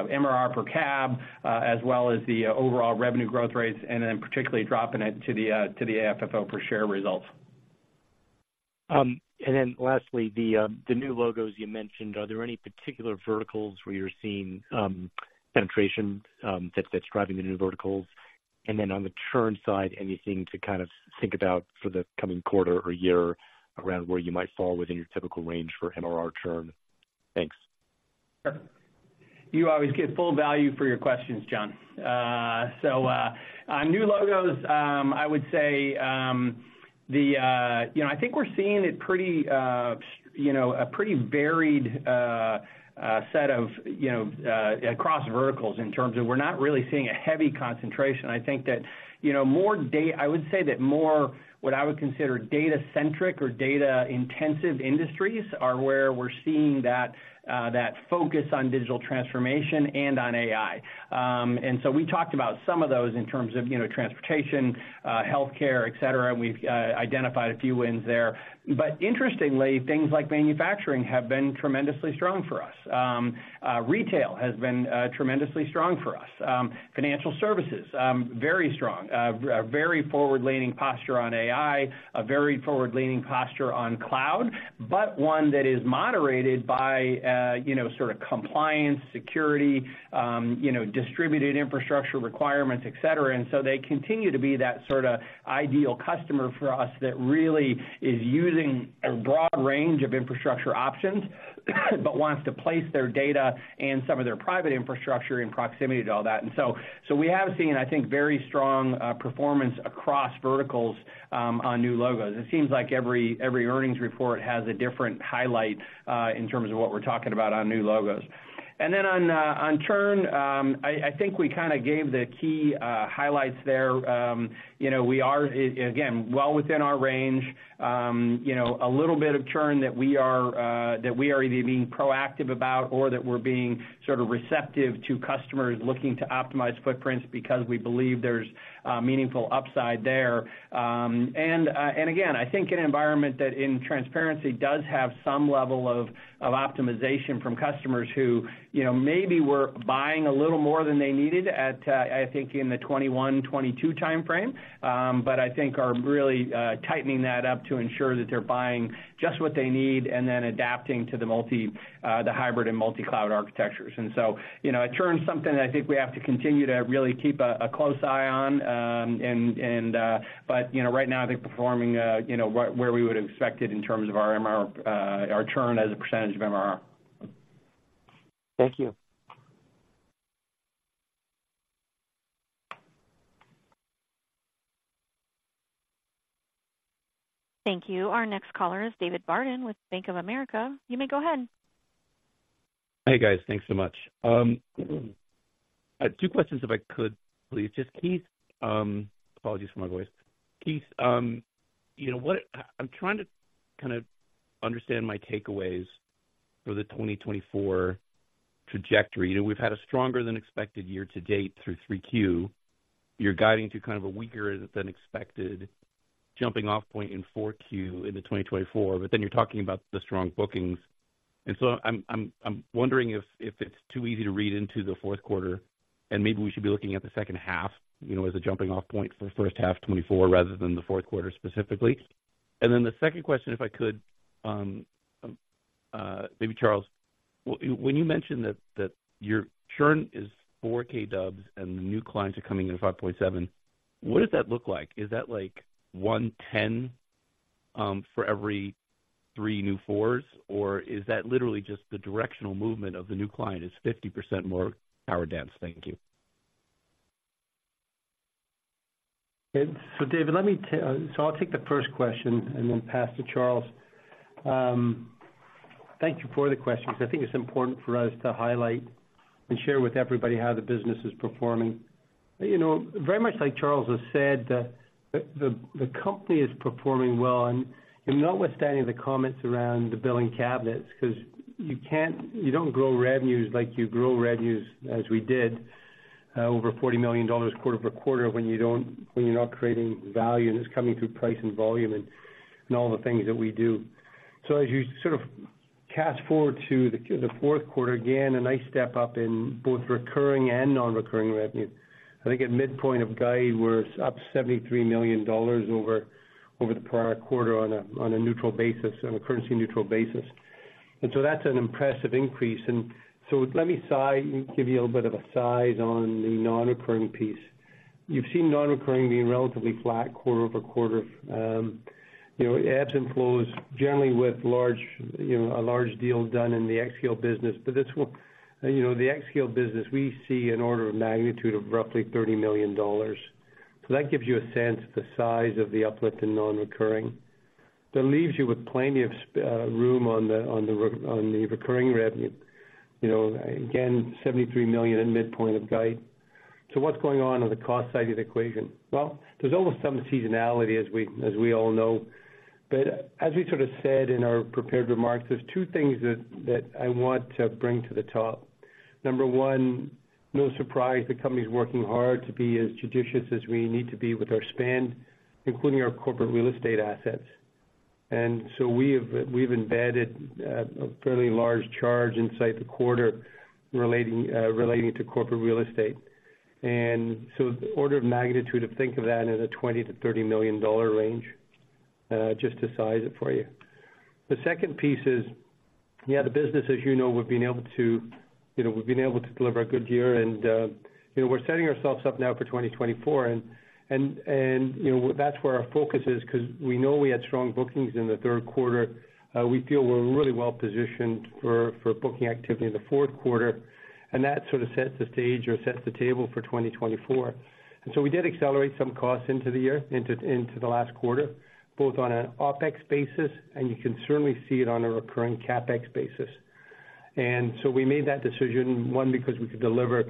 MRR per cab, as well as the overall revenue growth rates, and then particularly dropping it to the, to the AFFO per share results. And then lastly, the new logos you mentioned, are there any particular verticals where you're seeing penetration, that's driving the new verticals? And then on the churn side, anything to kind of think about for the coming quarter or year around where you might fall within your typical range for MRR churn? Thanks. You always get full value for your questions, John. So, on new logos, I would say, the, you know, I think we're seeing it pretty, you know, a pretty varied, set of, you know, across verticals in terms of we're not really seeing a heavy concentration. I think that, you know, I would say that more what I would consider data-centric or data-intensive industries are where we're seeing that, that focus on digital transformation and on AI. And so we talked about some of those in terms of, you know, transportation, healthcare, et cetera, and we've identified a few wins there. But interestingly, things like manufacturing have been tremendously strong for us. Retail has been, tremendously strong for us. Financial services, very strong. A very forward-leaning posture on AI, a very forward-leaning posture on cloud, but one that is moderated by, you know, sort of compliance, security, you know, distributed infrastructure requirements, et cetera. And so they continue to be that sort of ideal customer for us that really is using a broad range of infrastructure options, but wants to place their data and some of their private infrastructure in proximity to all that. And so we have seen, I think, very strong performance across verticals on new logos. It seems like every earnings report has a different highlight in terms of what we're talking about on new logos. And then on churn, I think we kinda gave the key highlights there. You know, we are again well within our range, you know, a little bit of churn that we are either being proactive about or that we're being sort of receptive to customers looking to optimize footprints because we believe there's meaningful upside there. And again, I think an environment that in transparency does have some level of optimization from customers who, you know, maybe were buying a little more than they needed at, I think in the 2021-2022 timeframe, but I think are really tightening that up to ensure that they're buying just what they need and then adapting to the hybrid and multi-cloud architectures. And so, you know, it's something that I think we have to continue to really keep a close eye on. But, you know, right now, I think performing, you know, where we would have expected in terms of our MR, our churn as a percentage of MRR. Thank you. Thank you. Our next caller is David Barden with Bank of America. You may go ahead. Hey, guys. Thanks so much. Two questions, if I could, please. Just, Keith, apologies for my voice. Keith, you know what? I'm trying to kind of understand my takeaways for the 2024 trajectory. You know, we've had a stronger than expected year to date through Q3. You're guiding to kind of a weaker than expected jumping off point in Q4 into 2024, but then you're talking about the strong bookings. And so I'm wondering if it's too easy to read into the fourth quarter, and maybe we should be looking at the second half, you know, as a jumping off point for the first half of 2024 rather than the fourth quarter, specifically. And then the second question, if I could, maybe Charles, when you mentioned that your churn is 4 kW and the new clients are coming in at 5.7, what does that look like? Is that like 1:10 for every three new 4s, or is that literally just the directional movement of the new client is 50% more power density? Thank you. Okay, so David, let me so I'll take the first question and then pass to Charles. Thank you for the questions. I think it's important for us to highlight and share with everybody how the business is performing. You know, very much like Charles has said, the company is performing well, and notwithstanding the comments around the billing cabinets, 'cause you don't grow revenues like you grow revenues as we did over $40 million quarter-over-quarter, when you don't... when you're not creating value, and it's coming through price and volume and all the things that we do. So as you sort of cast forward to the fourth quarter, again, a nice step up in both recurring and non-recurring revenue. I think at midpoint of guide, we're up $73 million over the prior quarter on a neutral basis, on a currency neutral basis. And so that's an impressive increase. And so let me size, give you a little bit of a size on the non-recurring piece. You've seen non-recurring being relatively flat quarter-over-quarter. You know, ebbs and flows, generally with large, you know, a large deal done in the xScale business. But this will, you know, the xScale business, we see an order of magnitude of roughly $30 million. So that gives you a sense of the size of the uplift in non-recurring. That leaves you with plenty of room on the recurring revenue. You know, again, $73 million in midpoint of guide. So what's going on on the cost side of the equation? Well, there's always some seasonality as we all know. But as we sort of said in our prepared remarks, there's two things that I want to bring to the top. Number one, no surprise, the company's working hard to be as judicious as we need to be with our spend, including our corporate real estate assets. And so we have, we've embedded a fairly large charge inside the quarter relating to corporate real estate. And so the order of magnitude to think of that is a $20-$30 million range, just to size it for you. The second piece is, yeah, the business, as you know, we've been able to deliver a good year, and, you know, we're setting ourselves up now for 2024. You know, that's where our focus is, 'cause we know we had strong bookings in the third quarter. We feel we're really well positioned for booking activity in the fourth quarter, and that sort of sets the stage or sets the table for 2024. And so we did accelerate some costs into the year, into the last quarter, both on an OpEx basis, and you can certainly see it on a recurring CapEx basis. And so we made that decision, one, because we could deliver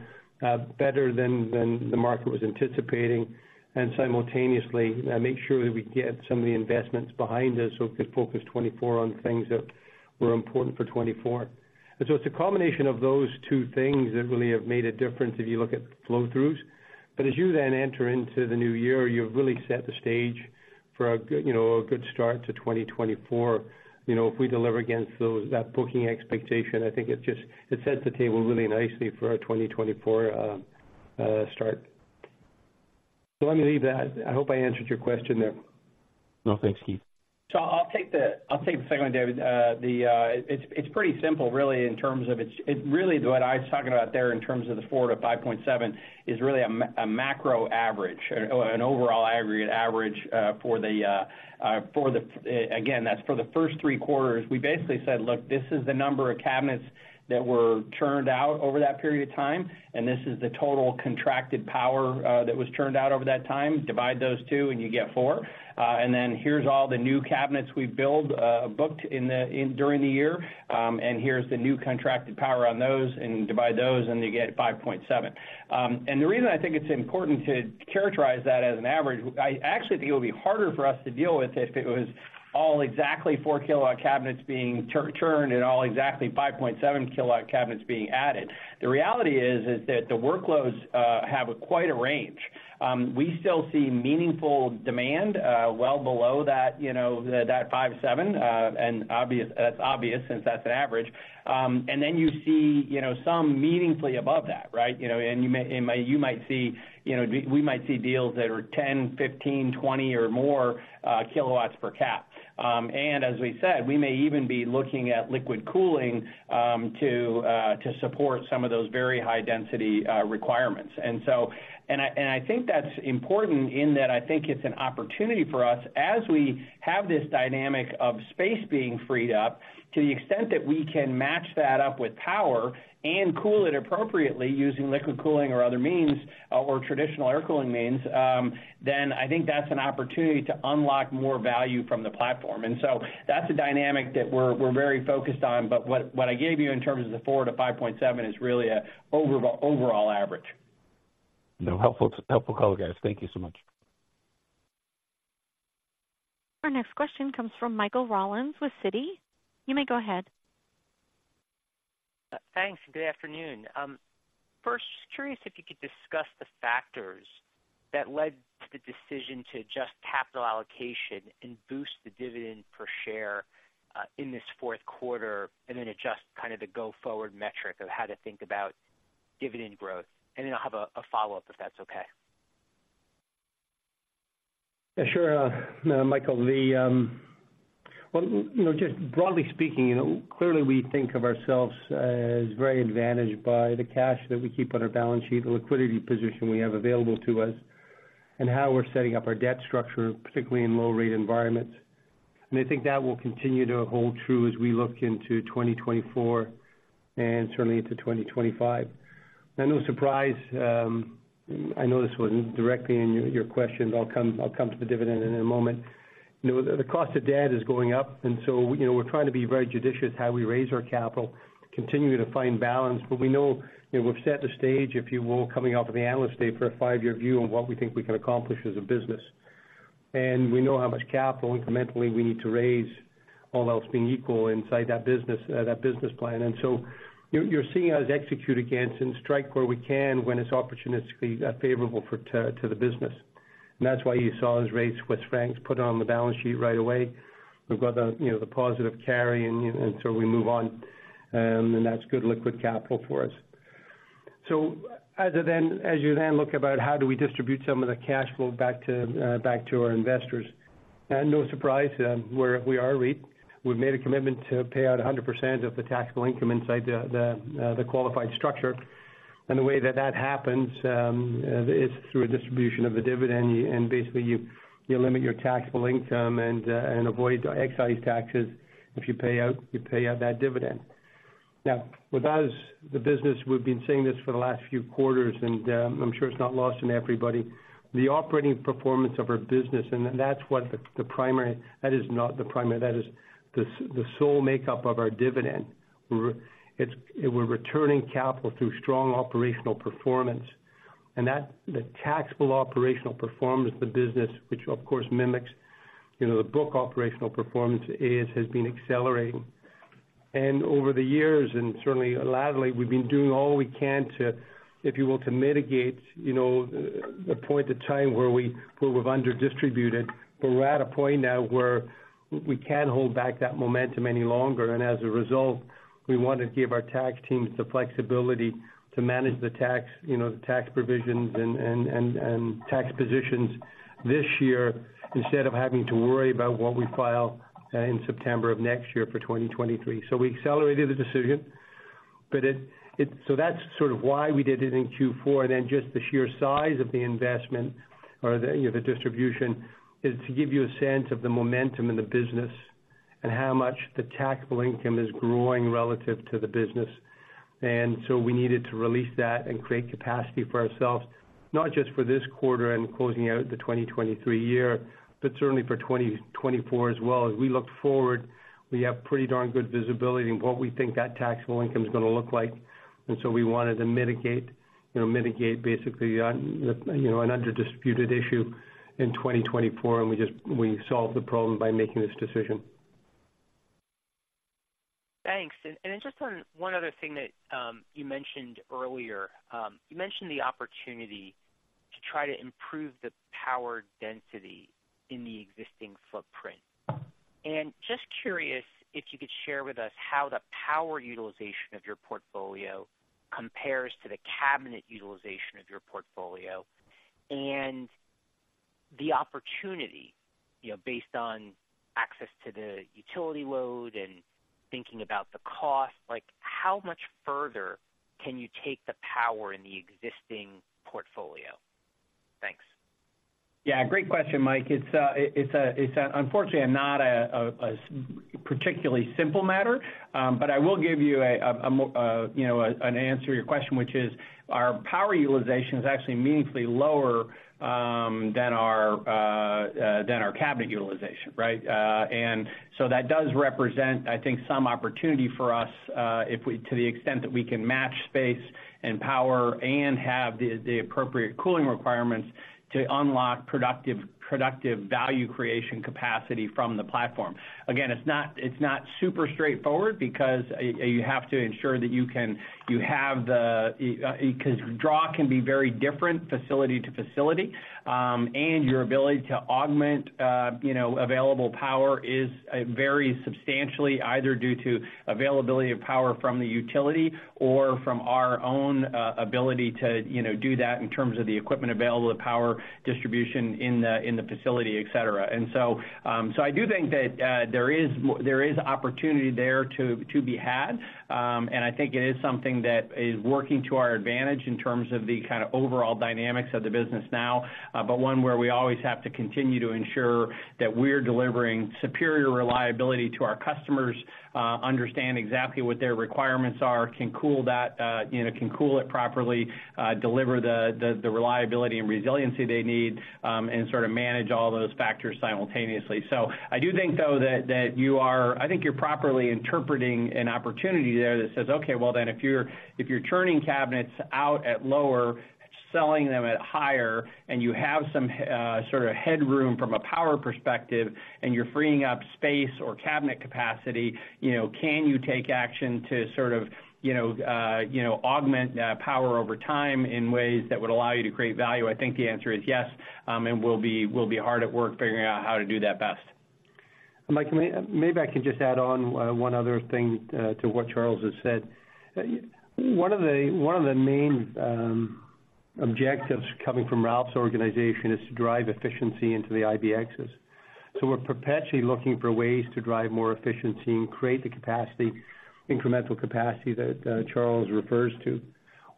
better than the market was anticipating, and simultaneously, make sure that we get some of the investments behind us so we could focus 2024 on things that were important for 2024. And so it's a combination of those two things that really have made a difference if you look at flow throughs. As you then enter into the new year, you've really set the stage for a good, you know, a good start to 2024. You know, if we deliver against that booking expectation, I think it just sets the table really nicely for our 2024 start. Let me leave that. I hope I answered your question there. No, thanks, Keith. So I'll take the second one, David. It's pretty simple, really, in terms of it's... It really, what I was talking about there in terms of the 4-5.7, is really a macro average, an overall aggregate average, for the, again, that's for the first three quarters. We basically said, "Look, this is the number of cabinets that were turned out over that period of time, and this is the total contracted power that was turned out over that time. Divide those two, and you get 4. And then here's all the new cabinets we build, booked in during the year, and here's the new contracted power on those, and you divide those, and you get 5.7." And the reason I think it's important to characterize that as an average, I actually think it would be harder for us to deal with if it was all exactly 4 kW cabinets being turned and all exactly 5.7 kW cabinets being added. The reality is that the workloads have quite a range. We still see meaningful demand well below that, you know, that 5.7, and that's obvious, since that's an average. And then you see, you know, some meaningfully above that, right? You know, and you may, and you might see, you know, we might see deals that are 10, 15, 20 or more kilowatts per cap. And as we said, we may even be looking at liquid cooling to support some of those very high density requirements. And so, and I think that's important in that I think it's an opportunity for us as we have this dynamic of space being freed up, to the extent that we can match that up with power and cool it appropriately using liquid cooling or other means, or traditional air cooling means, then I think that's an opportunity to unlock more value from the platform. And so that's a dynamic that we're very focused on. But what I gave you in terms of the 4-5.7 is really an overall average. No, helpful, helpful call, guys. Thank you so much. Our next question comes from Michael Rollins with Citi. You may go ahead. Thanks, good afternoon. First, just curious if you could discuss the factors that led to the decision to adjust capital allocation and boost the dividend per share, in this fourth quarter, and then adjust kind of the go-forward metric of how to think about dividend growth? And then I'll have a follow-up, if that's okay. Yeah, sure, Michael. Well, you know, just broadly speaking, you know, clearly we think of ourselves as very advantaged by the cash that we keep on our balance sheet, the liquidity position we have available to us, and how we're setting up our debt structure, particularly in low rate environments. And I think that will continue to hold true as we look into 2024 and certainly into 2025. And no surprise, I know this wasn't directly in your question, but I'll come to the dividend in a moment. You know, the cost of debt is going up, and so, you know, we're trying to be very judicious how we raise our capital, continuing to find balance. But we know, you know, we've set the stage, if you will, coming out of the Analyst Day, for a five-year view on what we think we can accomplish as a business. And we know how much capital incrementally we need to raise, all else being equal, inside that business, that business plan. And so you're seeing us execute against and strike where we can when it's opportunistically favorable for, to, to the business. And that's why you saw those rates with Swiss francs put on the balance sheet right away. We've got the, you know, the positive carry, and so we move on, and that's good liquid capital for us. So as of then- as you then look about how do we distribute some of the cash flow back to, back to our investors, and no surprise, we're, we are REIT.. We've made a commitment to pay out 100% of the taxable income inside the qualified structure. And the way that that happens, it's through a distribution of the dividend, and basically, you limit your taxable income and avoid excise taxes if you pay out that dividend. Now, with that as the business, we've been saying this for the last few quarters, and I'm sure it's not lost on everybody, the operating performance of our business, and that's what the primary... That is not the primary, that is the sole makeup of our dividend. We're returning capital through strong operational performance, and that, the taxable operational performance of the business, which of course mimics, you know, the book operational performance, has been accelerating. And over the years, and certainly lately, we've been doing all we can to, if you will, to mitigate, you know, a point in time where we've underdistributed. But we're at a point now where we can't hold back that momentum any longer. And as a result, we want to give our tax teams the flexibility to manage the tax, you know, the tax provisions and tax positions this year, instead of having to worry about what we file in September of next year for 2023. So we accelerated the decision.... But it so that's sort of why we did it in Q4, and then just the sheer size of the investment or the, you know, the distribution is to give you a sense of the momentum in the business and how much the taxable income is growing relative to the business. So we needed to release that and create capacity for ourselves, not just for this quarter and closing out the 2023 year, but certainly for 2024 as well. As we look forward, we have pretty darn good visibility in what we think that taxable income is going to look like. So we wanted to mitigate, you know, mitigate basically on, you know, an undisputed issue in 2024, and we just - we solved the problem by making this decision. Thanks. And then just on one other thing that you mentioned earlier. You mentioned the opportunity to try to improve the power density in the existing footprint. And just curious if you could share with us how the power utilization of your portfolio compares to the cabinet utilization of your portfolio and the opportunity, you know, based on access to the utility load and thinking about the cost, like, how much further can you take the power in the existing portfolio? Thanks. Yeah, great question, Mike. It's unfortunately not a particularly simple matter, but I will give you a, you know, an answer to your question, which is, our power utilization is actually meaningfully lower than our cabinet utilization, right? And so that does represent, I think, some opportunity for us, if we, to the extent that we can match space and power and have the appropriate cooling requirements to unlock productive value creation capacity from the platform. Again, it's not, it's not super straightforward because you have to ensure that you can—you have the, because draw can be very different facility to facility, and your ability to augment, you know, available power is, varies substantially, either due to availability of power from the utility or from our own, ability to, you know, do that in terms of the equipment available, the power distribution in the facility, et cetera. I do think that there is opportunity there to be had, and I think it is something that is working to our advantage in terms of the kind of overall dynamics of the business now, but one where we always have to continue to ensure that we're delivering superior reliability to our customers, understand exactly what their requirements are, can cool that, you know, can cool it properly, deliver the reliability and resiliency they need, and sort of manage all those factors simultaneously. So I do think, though, that you are—I think you're properly interpreting an opportunity there that says, okay, well, then, if you're turning cabinets out at lower, selling them at higher, and you have some sort of headroom from a power perspective, and you're freeing up space or cabinet capacity, you know, can you take action to sort of, you know, you know, augment power over time in ways that would allow you to create value? I think the answer is yes, and we'll be hard at work figuring out how to do that best. Mike, maybe I can just add on, one other thing, to what Charles has said. One of the main objectives coming from Raouf's organization is to drive efficiency into the IBXs. So we're perpetually looking for ways to drive more efficiency and create the capacity, incremental capacity that Charles refers to.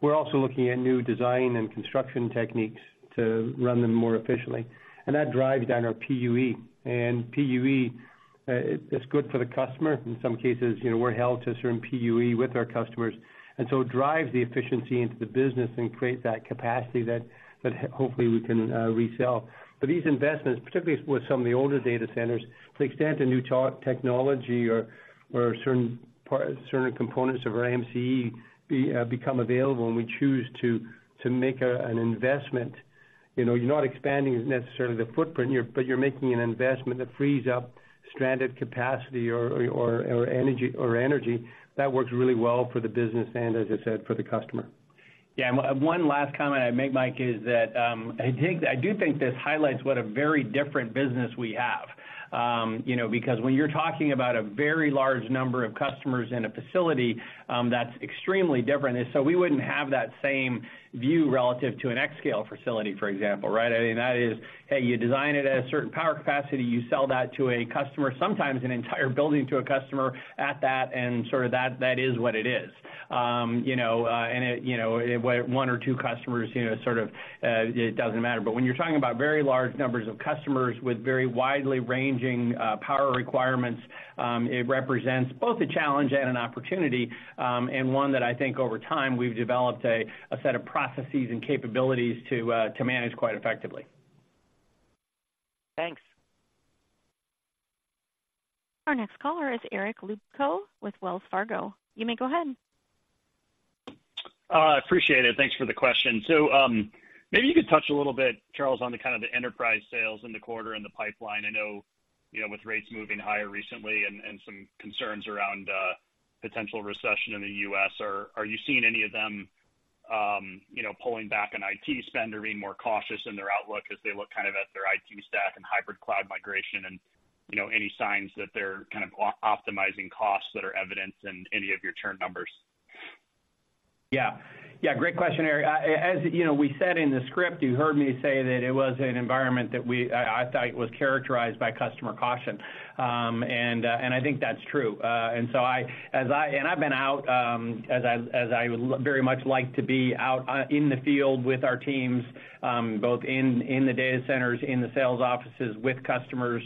We're also looking at new design and construction techniques to run them more efficiently, and that drives down our PUE. And PUE, it's good for the customer. In some cases, you know, we're held to certain PUE with our customers, and so it drives the efficiency into the business and creates that capacity that hopefully we can resell. But these investments, particularly with some of the older data centers, to the extent a new technology or certain components of our M&E become available, and we choose to make an investment, you know, you're not expanding necessarily the footprint, but you're making an investment that frees up stranded capacity or energy. That works really well for the business and, as I said, for the customer. Yeah, and one last comment I'd make, Mike, is that, I think I do think this highlights what a very different business we have. You know, because when you're talking about a very large number of customers in a facility, that's extremely different, and so we wouldn't have that same view relative to an xScale facility, for example, right? I mean, that is, hey, you design it at a certain power capacity, you sell that to a customer, sometimes an entire building to a customer at that, and sort of that, that is what it is. You know, and it, you know, it One or two customers, you know, sort of, it doesn't matter. But when you're talking about very large numbers of customers with very widely ranging power requirements, it represents both a challenge and an opportunity, and one that I think over time, we've developed a set of processes and capabilities to manage quite effectively. Thanks. Our next caller is Eric Luebchow with Wells Fargo. You may go ahead. Appreciate it. Thanks for the question. So, maybe you could touch a little bit, Charles, on the kind of the enterprise sales in the quarter and the pipeline. I know, you know, with rates moving higher recently and, and some concerns around, potential recession in the U.S., are, are you seeing any of them, you know, pulling back on IT spend or being more cautious in their outlook as they look kind of at their IT stack and hybrid cloud migration? And, you know, any signs that they're kind of optimizing costs that are evidenced in any of your turn numbers?... Yeah. Yeah, great question, Eric. As you know, we said in the script, you heard me say that it was an environment that we, I thought was characterized by customer caution. And I think that's true. And so I've been out, as I very much like to be out in the field with our teams, both in the data centers, in the sales offices, with customers,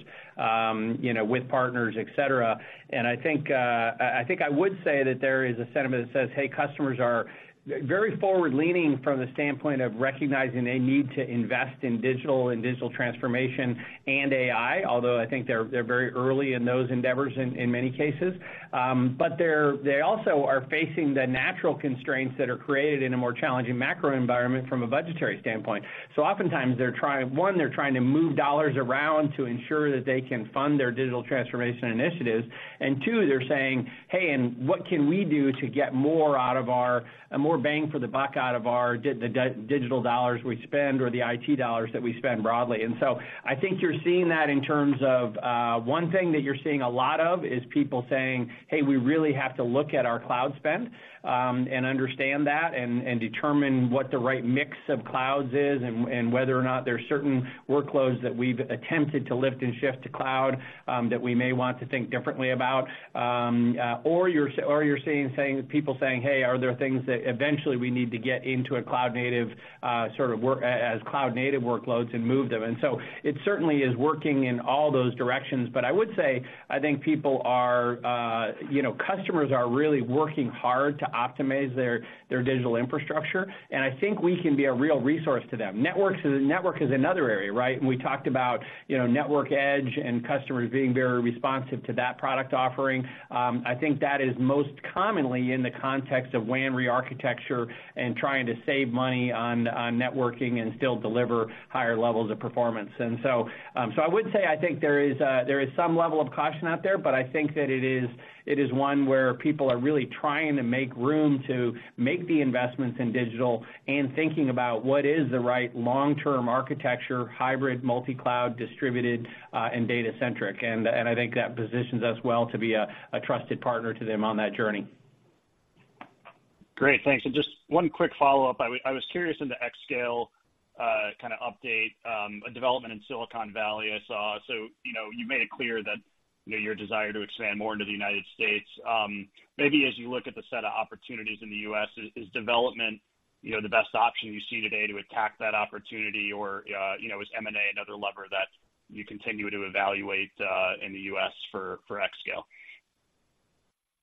you know, with partners, et cetera. And I think I would say that there is a sentiment that says, "Hey, customers are very forward-leaning from the standpoint of recognizing they need to invest in digital and digital transformation and AI," although I think they're very early in those endeavors in many cases. But they're also facing the natural constraints that are created in a more challenging macro environment from a budgetary standpoint. So oftentimes, they're trying... One, they're trying to move dollars around to ensure that they can fund their digital transformation initiatives. And two, they're saying, "Hey, and what can we do to get more out of our - a more bang for the buck out of our the digital dollars we spend or the IT dollars that we spend broadly?" And so I think you're seeing that in terms of, one thing that you're seeing a lot of, is people saying: "Hey, we really have to look at our cloud spend, and understand that, and determine what the right mix of clouds is, and whether or not there are certain workloads that we've attempted to lift and shift to cloud, that we may want to think differently about." Or you're seeing people saying: "Hey, are there things that eventually we need to get into a cloud native, sort of work as cloud native workloads and move them?" And so it certainly is working in all those directions. But I would say, I think people are, you know, customers are really working hard to optimize their, their digital infrastructure, and I think we can be a real resource to them. Networks is—network is another area, right? And we talked about, you know, Network Edge and customers being very responsive to that product offering. I think that is most commonly in the context of WAN rearchitecture and trying to save money on, on networking and still deliver higher levels of performance. And so, so I would say, I think there is, there is some level of caution out there, but I think that it is, it is one where people are really trying to make room to make the investments in digital and thinking about what is the right long-term architecture, hybrid, multi-cloud, distributed, and data-centric. And I think that positions us well to be a trusted partner to them on that journey. Great, thanks. And just one quick follow-up. I was curious in the xScale kind of update, a development in Silicon Valley I saw. So, you know, you made it clear that, you know, your desire to expand more into the United States. Maybe as you look at the set of opportunities in the US, is development, you know, the best option you see today to attack that opportunity? Or, you know, is M&A another lever that you continue to evaluate in the US for xScale?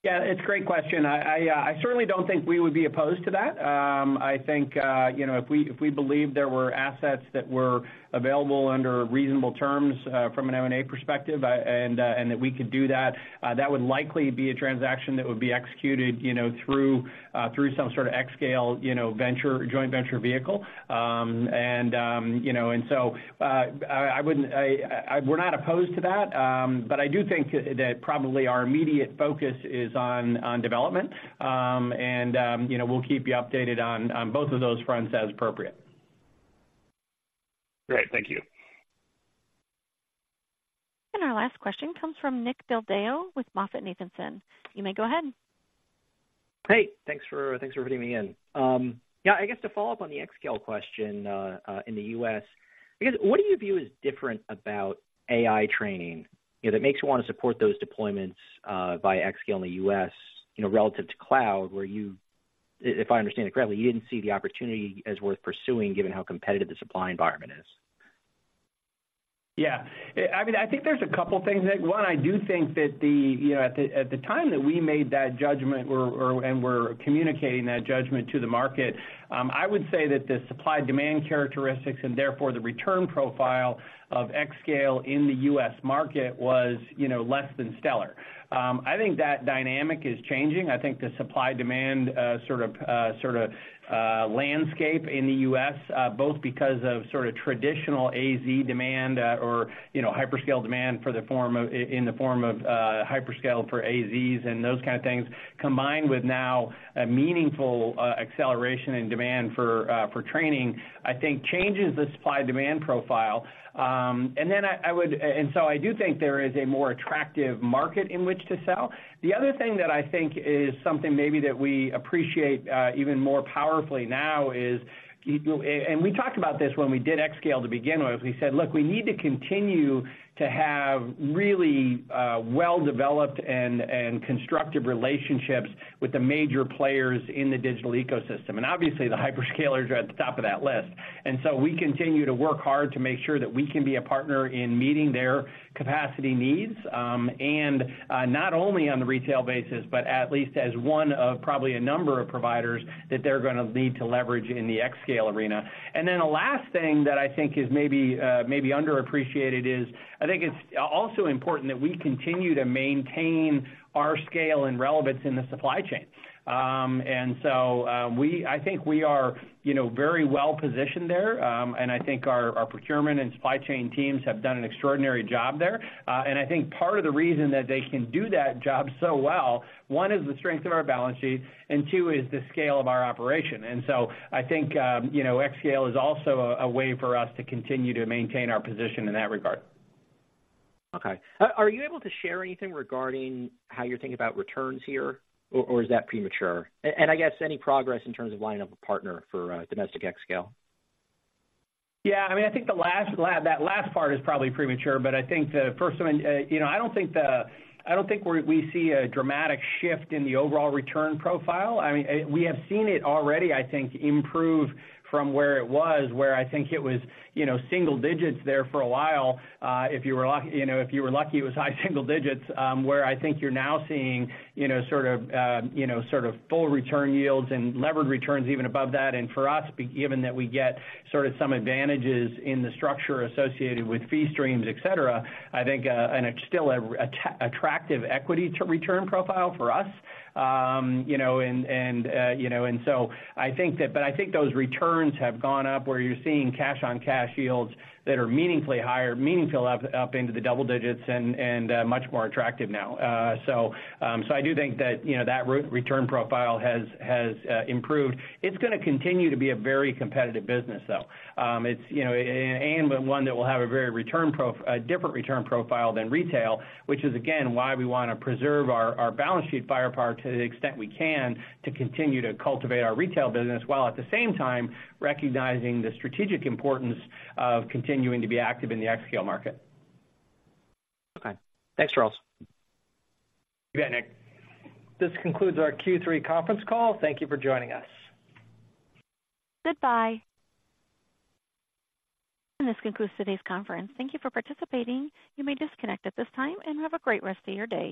Yeah, it's a great question. I certainly don't think we would be opposed to that. I think, you know, if we believe there were assets that were available under reasonable terms, from an M&A perspective, and that we could do that, that would likely be a transaction that would be executed, you know, through some sort of xScale, you know, venture, joint venture vehicle. And, you know, and so, I wouldn't... We're not opposed to that, but I do think that probably our immediate focus is on development. And, you know, we'll keep you updated on both of those fronts as appropriate. Great, thank you. Our last question comes from Nick Del Deo with MoffettNathanson. You may go ahead. Hey, thanks for bringing me in. Yeah, I guess to follow up on the xScale question in the US. I guess, what do you view as different about AI training, you know, that makes you want to support those deployments by xScale in the US, you know, relative to cloud, where you, if I understand it correctly, you didn't see the opportunity as worth pursuing, given how competitive the supply environment is? Yeah. I mean, I think there's a couple things, Nick. One, I do think that the, you know, at the time that we made that judgment, or, and we're communicating that judgment to the market, I would say that the supply-demand characteristics, and therefore the return profile of xScale in the U.S. market was, you know, less than stellar. I think that dynamic is changing. I think the supply-demand, sort of, sort of, landscape in the U.S., both because of sort of traditional AZ demand, or, you know, hyperscale demand in the form of hyperscale for AZs and those kind of things, combined with now a meaningful acceleration in demand for training, I think changes the supply-demand profile. And then I would. And so I do think there is a more attractive market in which to sell. The other thing that I think is something maybe that we appreciate even more powerfully now is, you know. And we talked about this when we did xScale to begin with. We said: Look, we need to continue to have really well-developed and constructive relationships with the major players in the digital ecosystem. And obviously, the hyperscalers are at the top of that list. And so we continue to work hard to make sure that we can be a partner in meeting their capacity needs, and not only on the retail basis, but at least as one of probably a number of providers that they're gonna need to leverage in the xScale arena. And then the last thing that I think is maybe, maybe underappreciated is, I think it's also important that we continue to maintain our scale and relevance in the supply chain. And so, we—I think we are, you know, very well-positioned there. And I think our, our procurement and supply chain teams have done an extraordinary job there. And I think part of the reason that they can do that job so well, one, is the strength of our balance sheet, and two, is the scale of our operation. And so I think, you know, xScale is also a way for us to continue to maintain our position in that regard. Okay. Are you able to share anything regarding how you're thinking about returns here, or, or is that premature? And, and I guess any progress in terms of lining up a partner for, domestic xScale? Yeah, I mean, I think that last part is probably premature, but I think the first one, you know, I don't think we see a dramatic shift in the overall return profile. I mean, we have seen it already, I think, improve from where it was, where I think it was, you know, single digits there for a while. If you were you know, if you were lucky, it was high single digits, where I think you're now seeing, you know, sort of, you know, sort of full return yields and levered returns even above that. And for us, given that we get sort of some advantages in the structure associated with fee streams, et cetera, I think, and it's still a attractive equity to return profile for us. You know, I think that. But I think those returns have gone up, where you're seeing cash-on-cash yields that are meaningfully higher, meaningfully up into the double digits and much more attractive now. So I do think that, you know, that return profile has improved. It's gonna continue to be a very competitive business, though. It's, you know, but one that will have a different return profile than retail, which is, again, why we want to preserve our balance sheet firepower to the extent we can, to continue to cultivate our retail business, while at the same time, recognizing the strategic importance of continuing to be active in the xScale market. Okay. Thanks, Charles. You bet, Nick. This concludes our Q3 conference call. Thank you for joining us. Goodbye. This concludes today's conference. Thank you for participating. You may disconnect at this time, and have a great rest of your day.